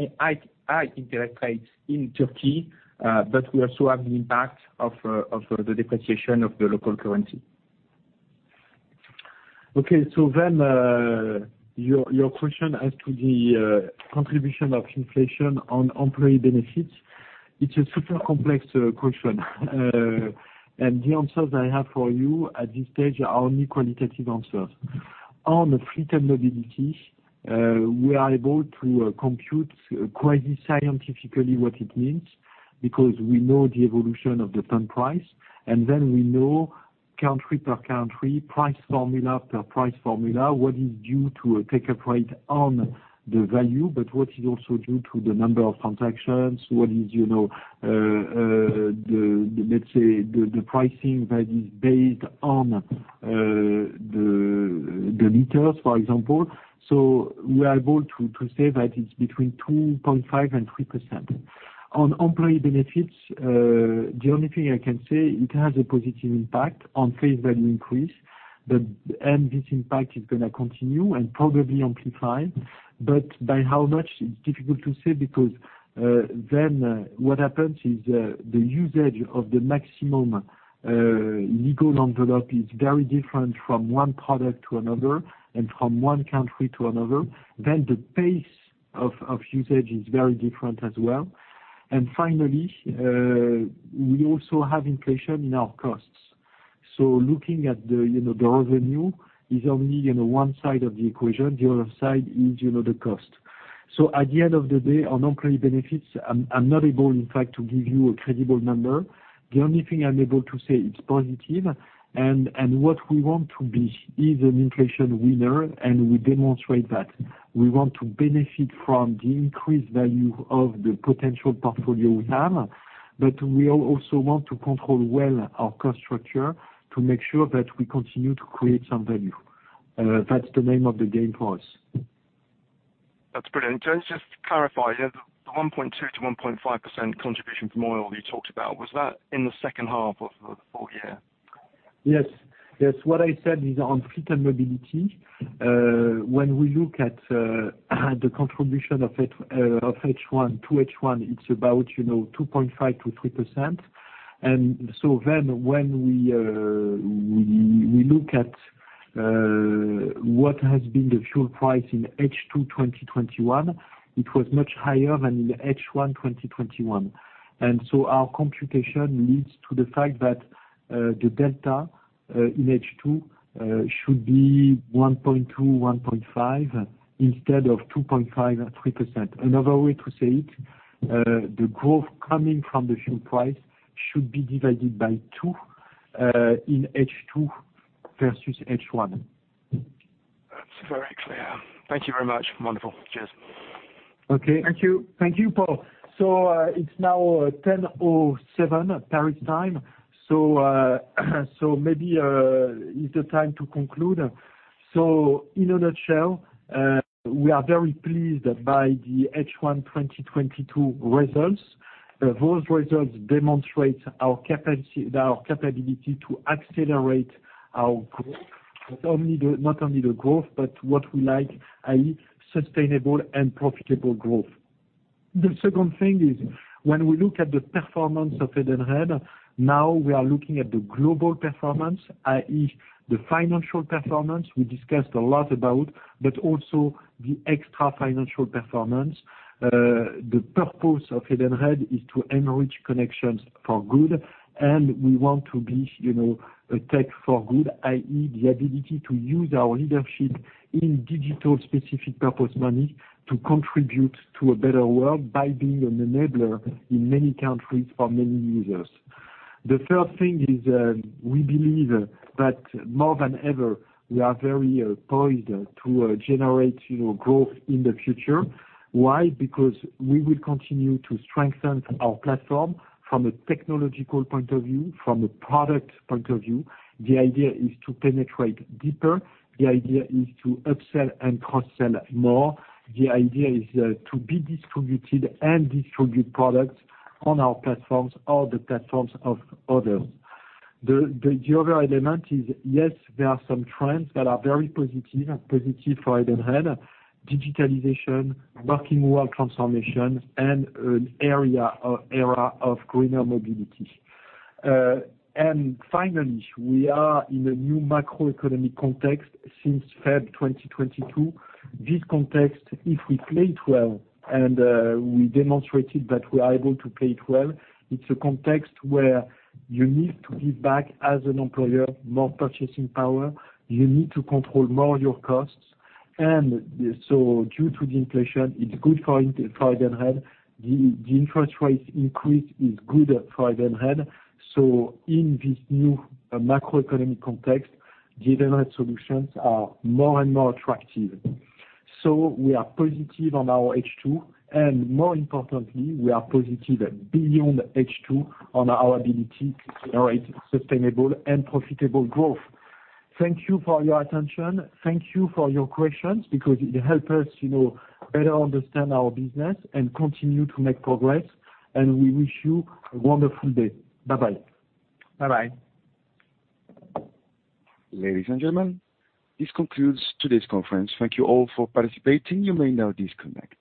high interest rates in Turkey, but we also have the impact of the depreciation of the local currency. Okay. Your question as to the contribution of inflation on employee benefits, it's a super complex question. The answers I have for you at this stage are only qualitative answers. On the Fleet & Mobility, we are able to compute quasi scientifically what it means because we know the evolution of the fuel price. We know country per country, price formula per price formula, what is due to a take-up rate on the value, but what is also due to the number of transactions. What is, you know, the, let's say, the pricing that is based on the kilometers, for example. We are able to say that it's between 2.5% and 3%. On employee benefits, the only thing I can say, it has a positive impact on face value increase. This impact is gonna continue and probably amplified. But by how much? It's difficult to say because then what happens is the usage of the maximum legal envelope is very different from one product to another and from one country to another. The pace of usage is very different as well. Finally, we also have inflation in our costs. Looking at the, you know, the revenue is only, you know, one side of the equation, the other side is, you know, the cost. At the end of the day, on employee benefits, I'm not able in fact to give you a credible number. The only thing I'm able to say, it's positive and what we want to be is an inflation winner, and we demonstrate that. We want to benefit from the increased value of the potential portfolio we have. We also want to control well our cost structure to make sure that we continue to create some value. That's the name of the game for us. That's brilliant. Can I just clarify, the 1.2%-1.5% contribution from oil that you talked about, was that in the second half of the full year? Yes. Yes. What I said is on fleet and mobility, when we look at the contribution of it, of H1 to H1, it's about, you know, 2.5%-3%. When we look at what has been the fuel price in H2 2021, it was much higher than in H1 2021. Our computation leads to the fact that the delta in H2 should be 1.2-1.5% instead of 2.5% or 3%. Another way to say it, the growth coming from the fuel price should be divided by two in H2 versus H1. That's very clear. Thank you very much. Wonderful. Cheers. Okay. Thank you. Thank you, Paul. It's now 10:07, Paris time. Maybe it's the time to conclude. In a nutshell, we are very pleased by the H1 2022 results. Those results demonstrate our capacity, our capability to accelerate our growth. Not only the growth, but what we like, i.e., sustainable and profitable growth. The second thing is when we look at the performance of Edenred, now we are looking at the global performance, i.e., the financial performance we discussed a lot about, but also the extra financial performance. The purpose of Edenred is to enrich connections for good, and we want to be, you know, a tech for good, i.e., the ability to use our leadership in digital specific purpose money to contribute to a better world by being an enabler in many countries for many users. The third thing is, we believe that more than ever, we are very poised to generate, you know, growth in the future. Why? Because we will continue to strengthen our platform from a technological point of view, from a product point of view. The idea is to penetrate deeper. The idea is to upsell and cross-sell more. The idea is to be distributed and distribute products on our platforms or the platforms of others. The other element is, yes, there are some trends that are very positive for Edenred. Digitalization, working world transformations, and an era of greener mobility. Finally, we are in a new macroeconomic context since February 2022. This context, if we play it well and we demonstrated that we are able to play it well, it's a context where you need to give back as an employer more purchasing power. You need to control more your costs. Due to the inflation, it's good for Edenred. The interest rate increase is good for Edenred. In this new macroeconomic context, Edenred solutions are more and more attractive. We are positive on our H2, and more importantly, we are positive beyond H2 on our ability to generate sustainable and profitable growth. Thank you for your attention. Thank you for your questions because it help us, you know, better understand our business and continue to make progress. We wish you a wonderful day. Bye-bye. Bye-bye. Ladies and gentlemen, this concludes today's conference. Thank you all for participating. You may now disconnect.